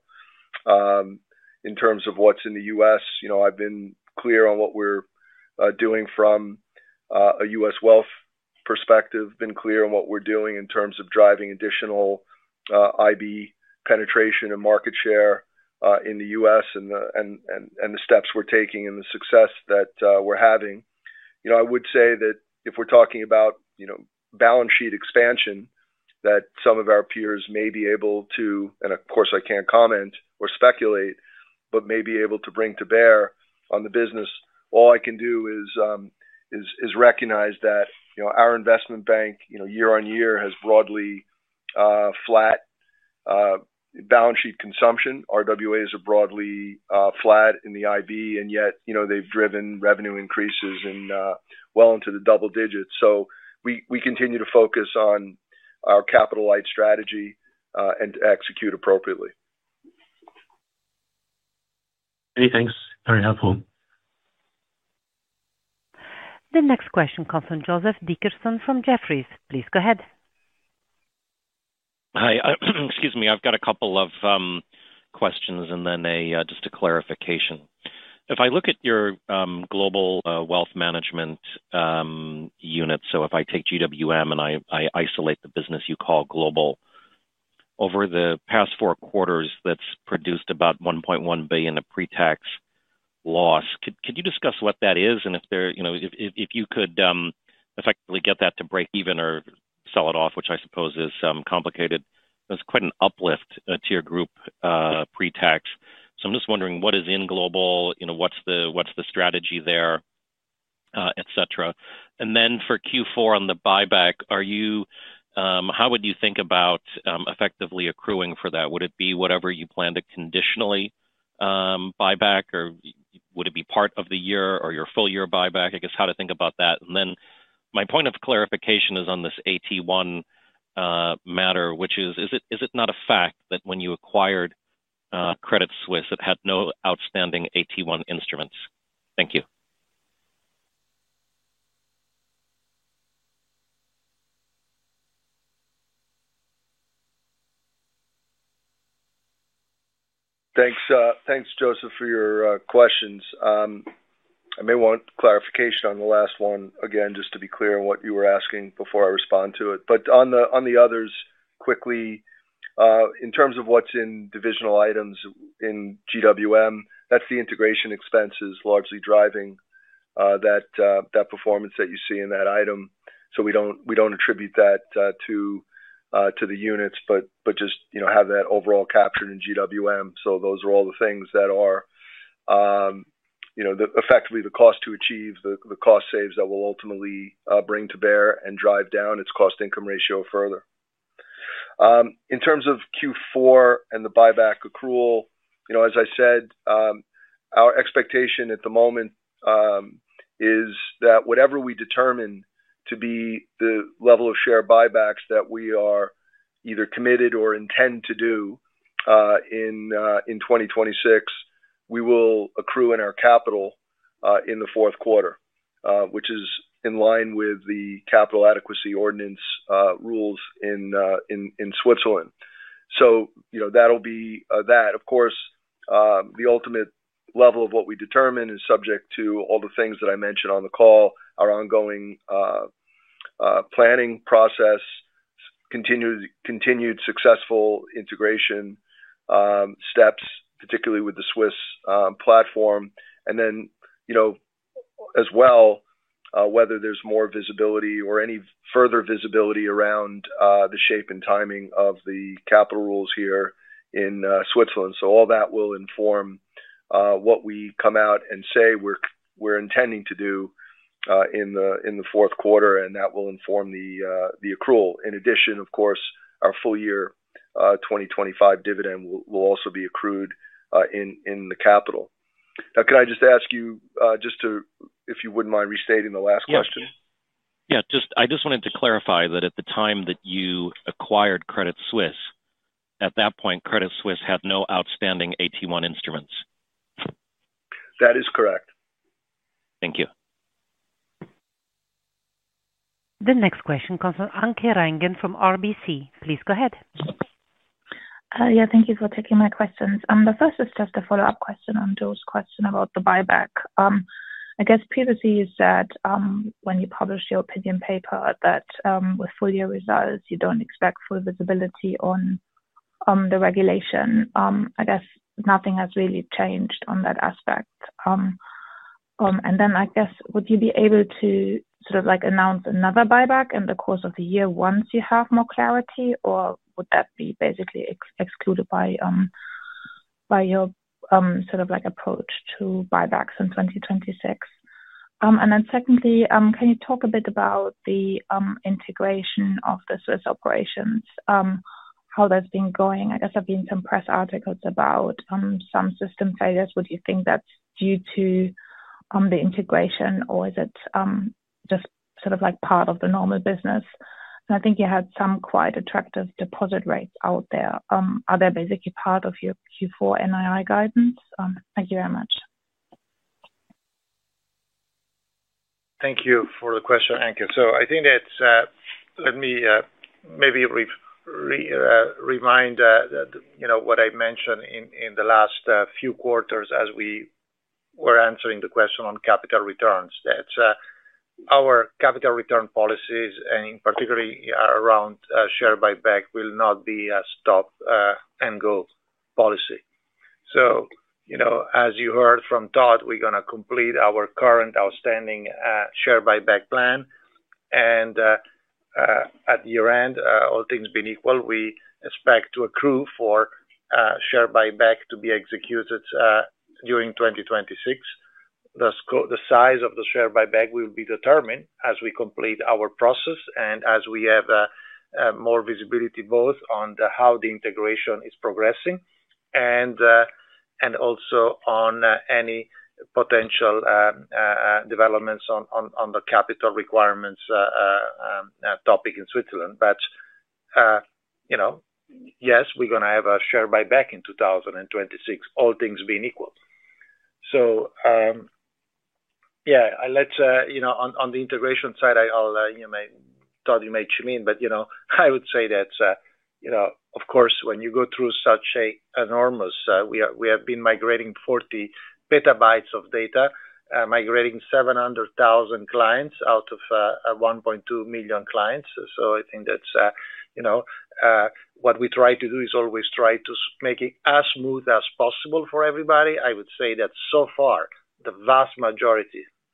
in terms of what's in the U.S. I've been clear on what we're doing from a U.S. wealth perspective, been clear on what we're doing in terms of driving additional IB penetration and market share in the U.S. and the steps we're taking and the success that we're having. I would say that if we're talking about balance sheet expansion, that some of our peers may be able to, and of course, I can't comment or speculate, but may be able to bring to bear on the business. All I can do is recognize that our investment bank year-on-year has broadly flat balance sheet consumption. RWAs are broadly flat in the IB, and yet they've driven revenue increases well into the double digits. We continue to focus on our capital-light strategy and execute appropriately. Thanks. Very helpful. The next question comes from Joseph Dickerson from Jefferies. Please go ahead. Hi. Excuse me, I've got a couple of questions and then just a clarification. If I look at your Global Wealth Management unit, so if I take GWM and I isolate the business you call global, over the past four quarters, that's produced about $1.1 billion of pre-tax loss. Could you discuss what that is and if you could effectively get that to break even or sell it off, which I suppose is complicated? It was quite an uplift to your group pre-tax. I'm just wondering, what is in global? You know, what's the strategy there, etc.? For Q4 on the buyback, are you, how would you think about effectively accruing for that? Would it be whatever you plan to conditionally buy back, or would it be part of the year or your full year buyback? I guess how to think about that. My point of clarification is on this AT1 matter, which is, is it not a fact that when you acquired Credit Suisse, it had no outstanding AT1 instruments? Thank you. Thanks, Joseph, for your questions. I may want clarification on the last one again, just to be clear on what you were asking before I respond to it. On the others, quickly, in terms of what's in divisional items in GWM, that's the integration expenses largely driving that performance that you see in that item. We don't attribute that to the units, but just have that overall captured in GWM. Those are all the things that are effectively the cost to achieve, the cost saves that will ultimately bring to bear and drive down its cost income ratio further. In terms of Q4 and the buyback accrual, as I said, our expectation at the moment is that whatever we determine to be the level of share buybacks that we are either committed or intend to do in 2026, we will accrue in our capital in the fourth quarter, which is in line with the capital adequacy ordinance rules in Switzerland. That will be that. Of course, the ultimate level of what we determine is subject to all the things that I mentioned on the call, our ongoing planning process, continued successful integration steps, particularly with the Swiss platform, and whether there's more visibility or any further visibility around the shape and timing of the capital rules here in Switzerland. All that will inform what we come out and say we're intending to do in the fourth quarter, and that will inform the accrual. In addition, our full-year 2025 dividend will also be accrued in the capital. Now, can I just ask you, if you wouldn't mind restating the last question? I just wanted to clarify that at the time that you acquired Credit Suisse, at that point, Credit Suisse had no outstanding AT1 instruments. That is correct. Thank you. The next question comes from Anke Reingen from RBC. Please go ahead. Yeah, thank you for taking my questions. The first is just a follow-up question on Joe's question about the buyback. I guess previously you said when you published your opinion paper that with full-year results, you don't expect full visibility on the regulation. I guess nothing has really changed on that aspect. Would you be able to sort of like announce another buyback in the course of the year once you have more clarity, or would that be basically excluded by your sort of like approach to buybacks in 2026? Secondly, can you talk a bit about the integration of the Swiss operations, how that's been going? I guess there have been some press articles about some system failures. Would you think that's due to the integration, or is it just sort of like part of the normal business? I think you had some quite attractive deposit rates out there. Are they basically part of your Q4 NII guidance? Thank you very much. Thank you for the question, Anke. I think that's, let me maybe remind, you know, what I mentioned in the last few quarters as we were answering the question on capital returns. Our capital return policies, and in particular, around share buyback, will not be a stop-and-go policy. As you heard from Todd, we're going to complete our current outstanding share buyback plan. At year-end, all things being equal, we expect to accrue for share buyback to be executed during 2026. The size of the share buyback will be determined as we complete our process and as we have more visibility both on how the integration is progressing and also on any potential developments on the capital requirements topic in Switzerland. Yes, we're going to have a share buyback in 2026, all things being equal. On the integration side, Todd, you may chime in, but I would say that, of course, when you go through such an enormous, we have been migrating 40 PB of data, migrating 700,000 clients out of 1.2 million clients. What we try to do is always try to make it as smooth as possible for everybody. I would say that so far, the vast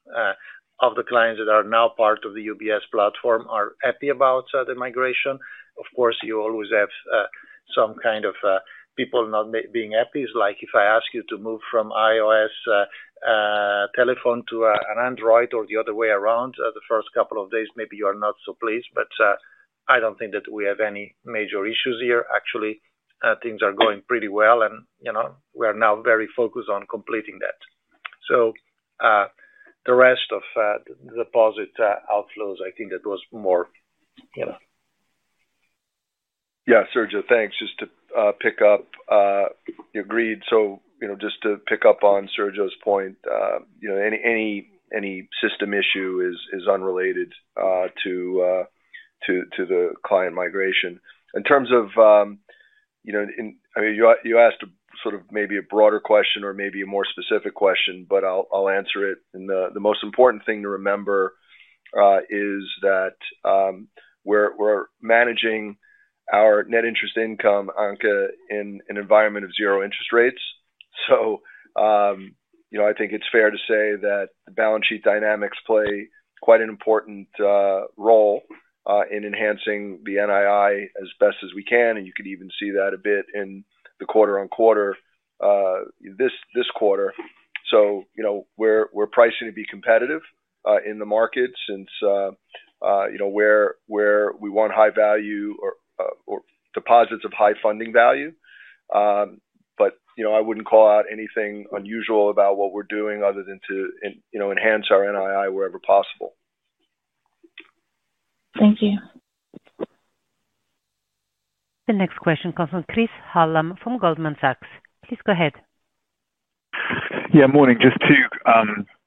majority of the clients that are now part of the UBS platform are happy about the migration. Of course, you always have some kind of people not being happy. It's like if I ask you to move from iOS telephone to an Android or the other way around, the first couple of days, maybe you are not so pleased. I don't think that we have any major issues here. Actually, things are going pretty well, and we are now very focused on completing that. The rest of the deposit outflows, I think that was more, you know. Yeah, Sergio, thanks. Just to pick up, you agreed. Just to pick up on Sergio's point, any system issue is unrelated to the client migration. In terms of, I mean, you asked a sort of maybe a broader question or maybe a more specific question, but I'll answer it. The most important thing to remember is that we're managing our net interest income, Anke, in an environment of zero interest rates. I think it's fair to say that the balance sheet dynamics play quite an important role in enhancing the NII as best as we can. You could even see that a bit in the quarter on quarter this quarter. We're pricing to be competitive in the market since, you know, where we want high value or deposits of high funding value. I wouldn't call out anything unusual about what we're doing other than to enhance our NII wherever possible. Thank you. The next question comes from Chris Hallam from Goldman Sachs. Please go ahead. Yeah, morning. Just two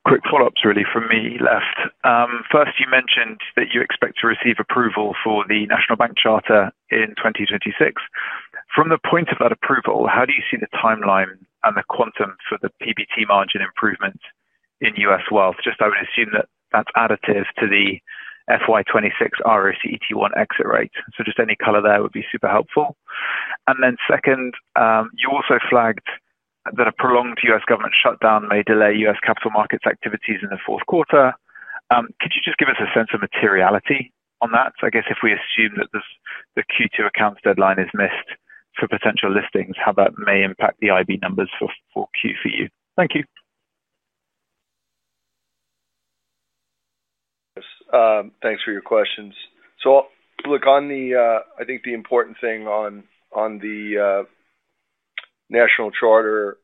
quick follow-ups really from me left. First, you mentioned that you expect to receive approval for the National Bank Charter in 2026. From the point of that approval, how do you see the timeline and the quantum for the PBT margin improvement in U.S. wealth? Just I would assume that that's additive to the FY 2026 ROC CET1 exit rate. Just any color there would be super helpful. Second, you also flagged that a prolonged U.S. government shutdown may delay U.S. capital markets activities in the fourth quarter. Could you just give us a sense of materiality on that? I guess if we assume that the Q2 accounts deadline is missed for potential listings, how that may impact the IB numbers for Q4 for you. Thank you. Thanks for your questions. I think the important thing on the national charter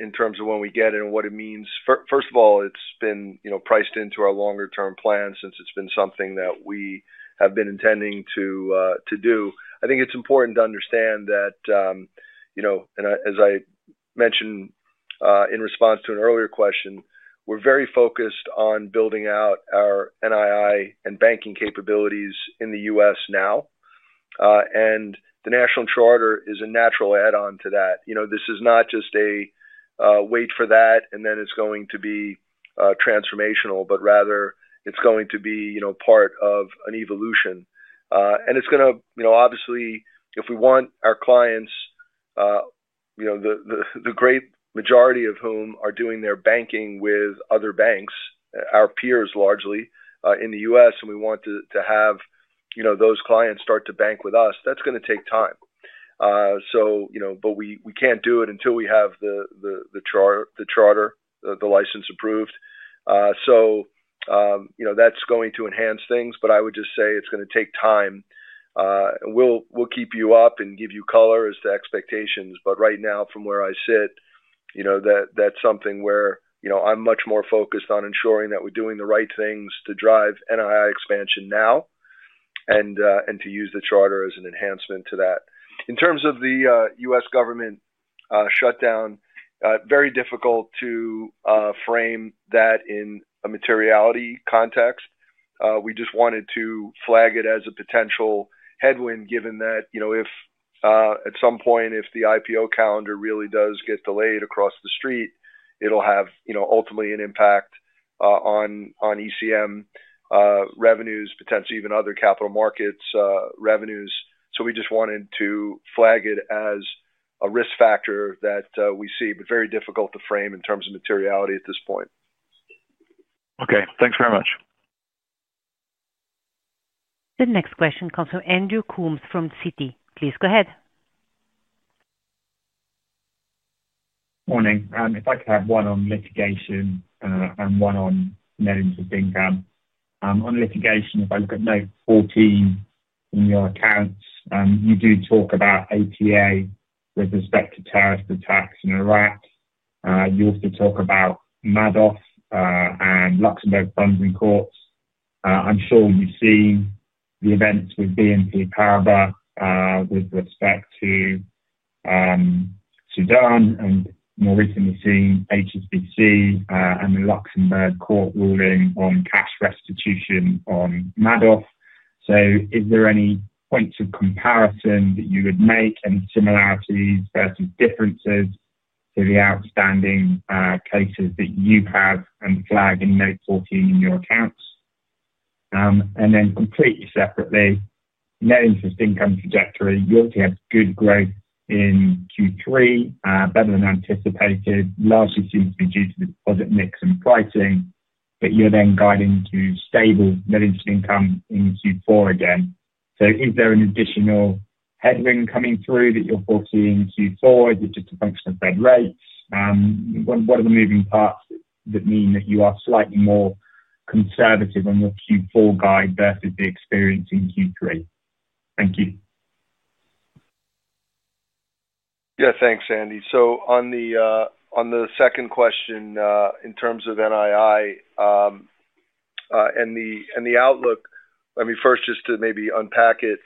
in terms of when we get it and what it means, first of all, it's been priced into our longer-term plan since it's been something that we have been intending to do. I think it's important to understand that, as I mentioned in response to an earlier question, we're very focused on building out our NII and banking capabilities in the U.S. now. The national charter is a natural add-on to that. This is not just a wait for that and then it's going to be transformational, but rather, it's going to be part of an evolution. It's going to, obviously, if we want our clients, the great majority of whom are doing their banking with other banks, our peers largely in the U.S., and we want to have those clients start to bank with us, that's going to take time. We can't do it until we have the charter, the license approved. That's going to enhance things, but I would just say it's going to take time. We'll keep you up and give you color as to expectations. Right now, from where I sit, that's something where I'm much more focused on ensuring that we're doing the right things to drive NII expansion now and to use the charter as an enhancement to that. In terms of the U.S. government shutdown, it's very difficult to frame that in a materiality context. We just wanted to flag it as a potential headwind, given that if at some point, if the IPO calendar really does get delayed across the street, it'll have ultimately an impact on ECM revenues, potentially even other capital markets' revenues. We just wanted to flag it as a risk factor that we see, but it's very difficult to frame in terms of materiality at this point. Okay, thanks very much. The next question comes from Andrew Coombs from Citi. Please go ahead. Morning. If I could have one on litigation and one on net interest income. On litigation, if I look at note 14 in your accounts, you do talk about APAC with respect to terrorist attacks in Iraq. You also talk about Madoff and Luxembourg funds and courts. I'm sure you've seen the events with BNP Paribas with respect to Sudan, and more recently seen HSBC and the Luxembourg court ruling on cash restitution on Madoff. Is there any points of comparison that you would make, and similarities versus differences to the outstanding cases that you have and flag in note 14 in your accounts? Then, completely separately, net interest income trajectory, you obviously had good growth in Q3, better than anticipated, largely seems to be due to the deposit mix and pricing, but you're then guiding to stable net interest income in Q4 again. Is there an additional headwind coming through that you're foreseeing in Q4? Is it just a function of Fed rates? What are the moving parts that mean that you are slightly more conservative on your Q4 guide versus the experience in Q3? Thank you. Yeah. Thanks, Andy. On the second question, in terms of NII and the outlook, first just to maybe unpack it.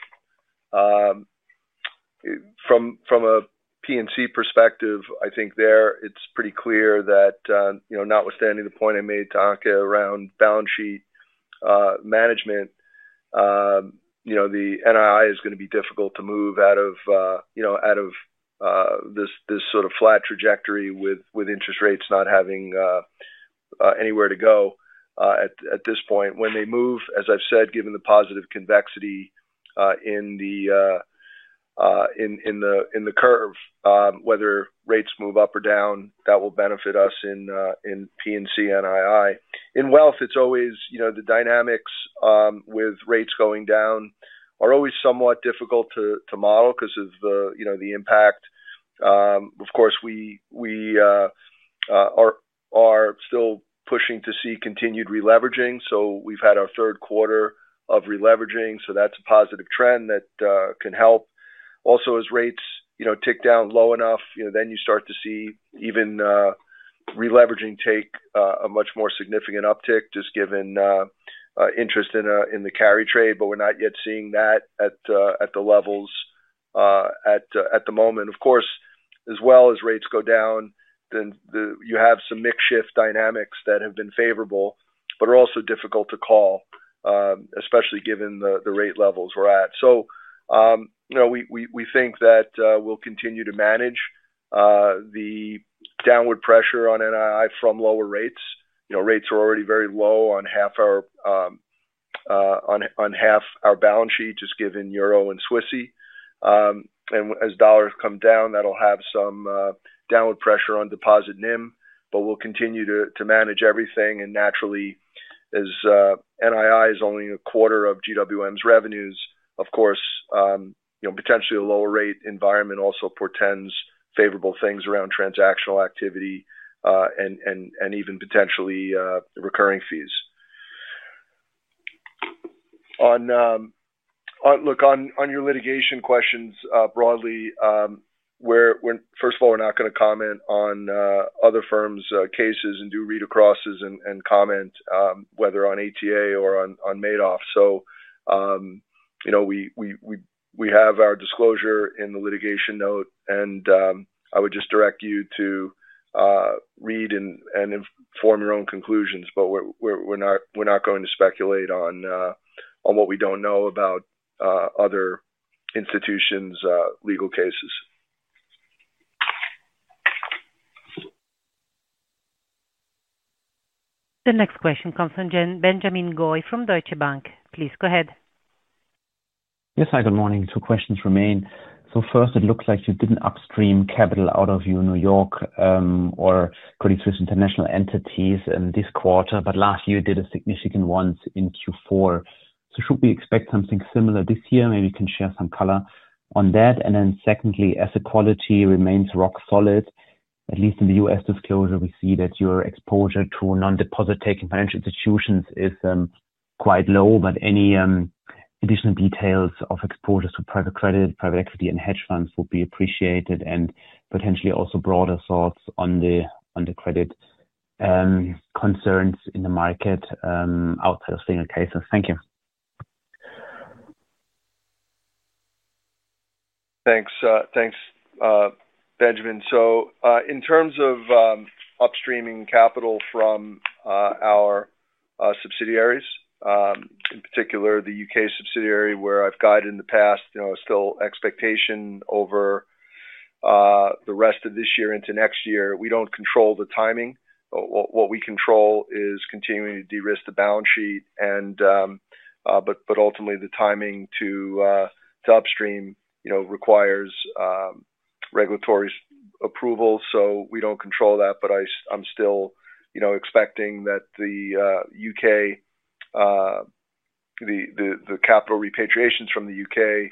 From a P&C perspective, I think there it's pretty clear that, notwithstanding the point I made to Anke around balance sheet management, the NII is going to be difficult to move out of this sort of flat trajectory with interest rates not having anywhere to go at this point. When they move, as I've said, given the positive convexity in the curve, whether rates move up or down, that will benefit us in P&C NII. In wealth, it's always the dynamics with rates going down are always somewhat difficult to model because of the impact. Of course, we are still pushing to see continued releveraging. We've had our third quarter of releveraging, so that's a positive trend that can help. Also, as rates tick down low enough, then you start to see even releveraging take a much more significant uptick, just given interest in the carry trade. We're not yet seeing that at the levels at the moment. Of course, as well as rates go down, then you have some makeshift dynamics that have been favorable, but are also difficult to call, especially given the rate levels we're at. We think that we'll continue to manage the downward pressure on NII from lower rates. Rates are already very low on half our balance sheet, just given euro and Swiss. As dollars come down, that'll have some downward pressure on deposit NIM. We'll continue to manage everything. Naturally, as NII is only a quarter of GWM's revenues, potentially a lower rate environment also portends favorable things around transactional activity and even potentially recurring fees. Look, on your litigation questions broadly, first of all, we're not going to comment on other firms' cases and do read across and comment whether on AT1 or on Madoff. We have our disclosure in the litigation note, and I would just direct you to read and form your own conclusions. We're not going to speculate on what we don't know about other institutions' legal cases. The next question comes from Benjamin Goy from Deutsche Bank. Please go ahead. Yes. Hi. Good morning. Two questions remain. First, it looks like you didn't upstream capital out of your New York or Credit Suisse International entities in this quarter, but last year you did a significant one in Q4. Should we expect something similar this year? Maybe you can share some color on that. Secondly, as equality remains rock solid, at least in the U.S. disclosure, we see that your exposure to non-deposit taking financial institutions is quite low. Any additional details of exposures to private credit, private equity, and hedge funds would be appreciated. Potentially also broader thoughts on the credit concerns in the market outside of single cases. Thank you. Thanks, Benjamin. In terms of upstreaming capital from our subsidiaries, in particular the U.K. subsidiary where I've guided in the past, it's still expectation over the rest of this year into next year. We don't control the timing. What we control is continuing to de-risk the balance sheet. Ultimately, the timing to upstream requires regulatory approval. We don't control that. I'm still expecting that the capital repatriations from the U.K.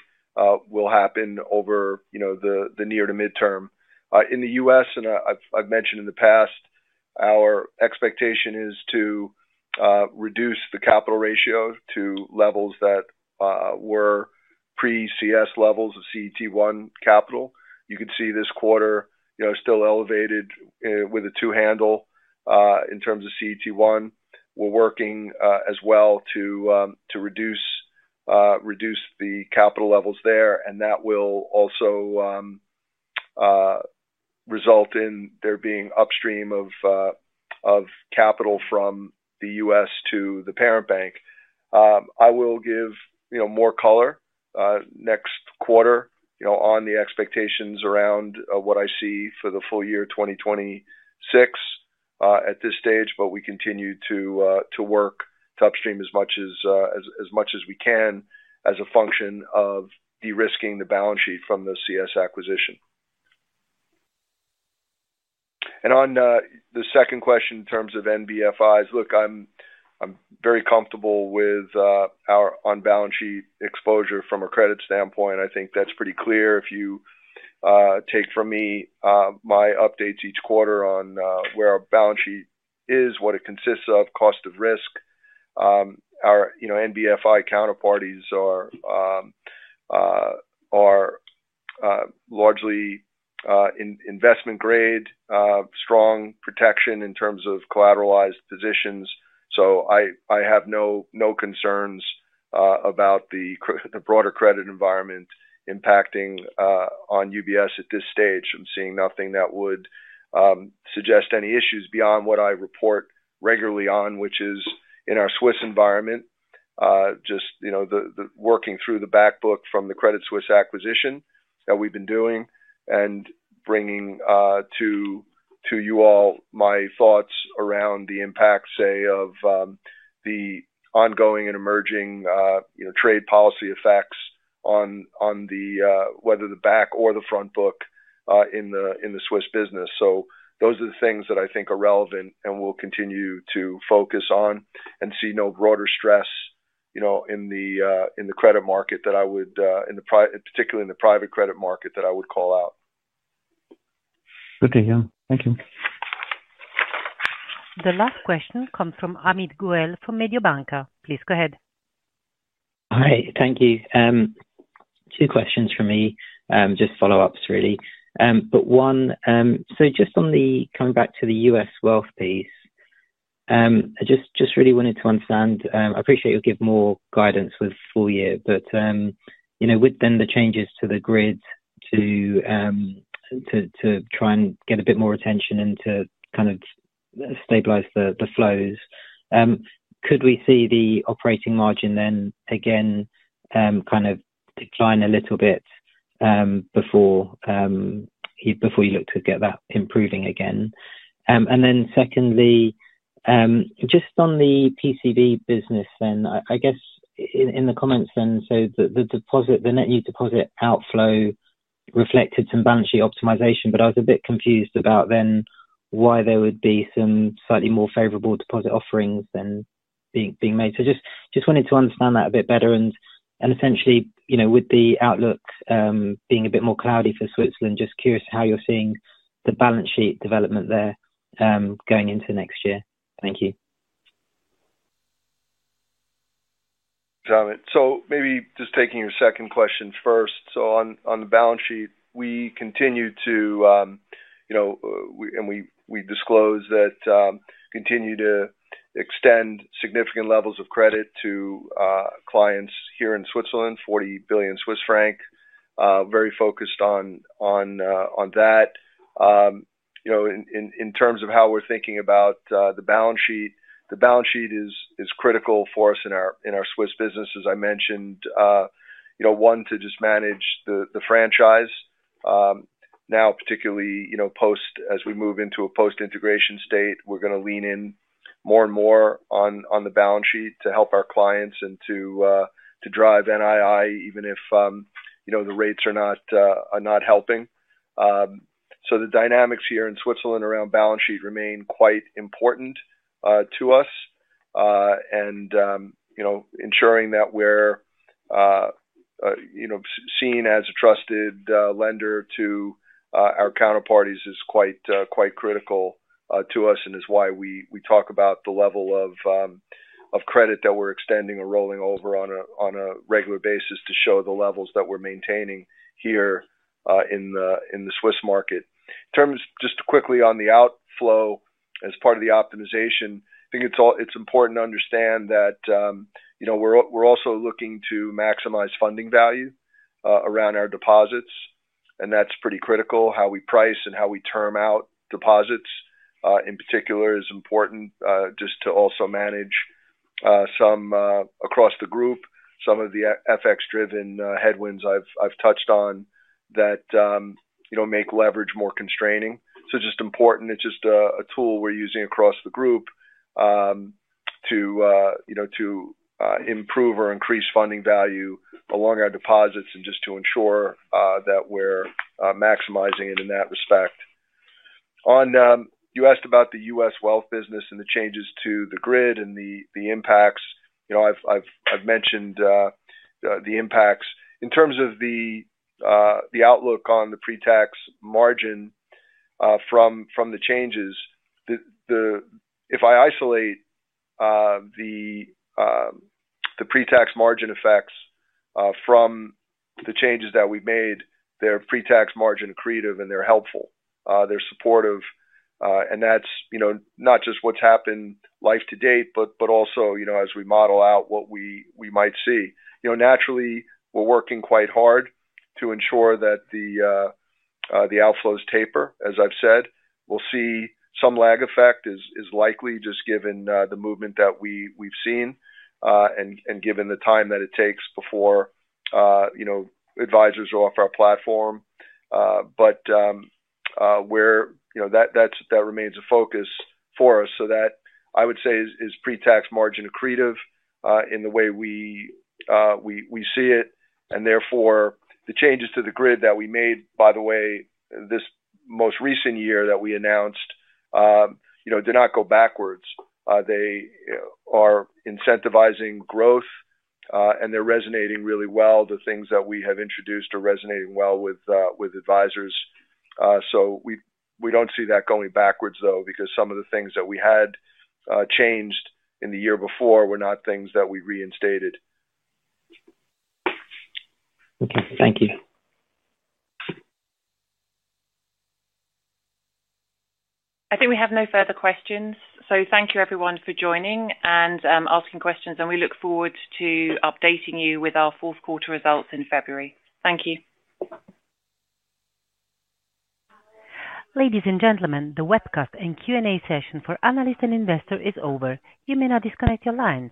will happen over the near to midterm. In the U.S., and I've mentioned in the past, our expectation is to reduce the capital ratio to levels that were pre-CS levels of CET1 capital. You could see this quarter still elevated with a two-handle in terms of CET1. We're working as well to reduce the capital levels there. That will also result in there being upstream of capital from the U.S. to the parent bank. I will give more color next quarter on the expectations around what I see for the full year 2026 at this stage. We continue to work to upstream as much as we can as a function of de-risking the balance sheet from the CS acquisition. On the second question in terms of NBFIs, I'm very comfortable with our on-balance sheet exposure from a credit standpoint. I think that's pretty clear. If you take from me my updates each quarter on where our balance sheet is, what it consists of, cost of risk, our NBFI counterparties are largely investment-grade, strong protection in terms of collateralized positions. I have no concerns about the broader credit environment impacting on UBS at this stage. I'm seeing nothing that would suggest any issues beyond what I report regularly on, which is in our Swiss environment, just working through the backbook from the Credit Suisse acquisition that we've been doing and bringing to you all my thoughts around the impact, say, of the ongoing and emerging trade policy effects on whether the back or the front book in the Swiss business. Those are the things that I think are relevant and will continue to focus on and see no broader stress in the credit market that I would, particularly in the private credit market, that I would call out. Good to hear. Thank you. The last question comes from Amit Goel from Mediobanca. Please go ahead. Hi. Thank you. Two questions from me, just follow-ups really. One, just on coming back to the U.S. wealth piece, I just really wanted to understand. I appreciate you'll give more guidance with full year, but with the changes to the grid to try and get a bit more attention and to kind of stabilize the flows, could we see the operating margin then again kind of decline a little bit before you look to get that improving again? Secondly, just on the PCB business, I guess in the comments, the net new deposit outflow reflected some balance sheet optimization, but I was a bit confused about why there would be some slightly more favorable deposit offerings being made. Just wanted to understand that a bit better. Essentially, with the outlook being a bit more cloudy for Switzerland, just curious how you're seeing the balance sheet development there going into next year. Thank you. Got it. Maybe just taking your second question first. On the balance sheet, we continue to, you know, and we disclose that, continue to extend significant levels of credit to clients here in Switzerland, 40 billion Swiss franc, very focused on that. In terms of how we're thinking about the balance sheet, the balance sheet is critical for us in our Swiss business, as I mentioned, one, to just manage the franchise. Now, particularly, as we move into a post-integration state, we're going to lean in more and more on the balance sheet to help our clients and to drive NII even if the rates are not helping. The dynamics here in Switzerland around balance sheet remain quite important to us. Ensuring that we're seen as a trusted lender to our counterparties is quite critical to us and is why we talk about the level of credit that we're extending or rolling over on a regular basis to show the levels that we're maintaining here in the Swiss market. In terms, just quickly on the outflow as part of the optimization, I think it's important to understand that we're also looking to maximize funding value around our deposits. That's pretty critical. How we price and how we term out deposits, in particular, is important just to also manage some across the group. Some of the FX-driven headwinds I've touched on that make leverage more constraining. It's just a tool we're using across the group to improve or increase funding value along our deposits and just to ensure that we're maximizing it in that respect. You asked about the U.S. wealth business and the changes to the grid and the impacts. I've mentioned the impacts. In terms of the outlook on the pre-tax margin from the changes, if I isolate the pre-tax margin effects from the changes that we've made, they're pre-tax margin accretive and they're helpful. They're supportive. That's not just what's happened life-to-date, but also as we model out what we might see. Naturally, we're working quite hard to ensure that the outflows taper. As I've said, we'll see some lag effect is likely just given the movement that we've seen and given the time that it takes before advisors are off our platform. That remains a focus for us. That I would say is pre-tax margin accretive in the way we see it. Therefore, the changes to the grid that we made this most recent year that we announced do not go backwards. They are incentivizing growth, and they're resonating really well. The things that we have introduced are resonating well with advisors. We don't see that going backwards, though, because some of the things that we had changed in the year before were not things that we reinstated. Okay. Thank you. I think we have no further questions. Thank you, everyone, for joining and asking questions. We look forward to updating you with our fourth quarter results in February. Thank you. Ladies and gentlemen, the webcast and Q&A session for analysts and investors is over. You may now disconnect your lines.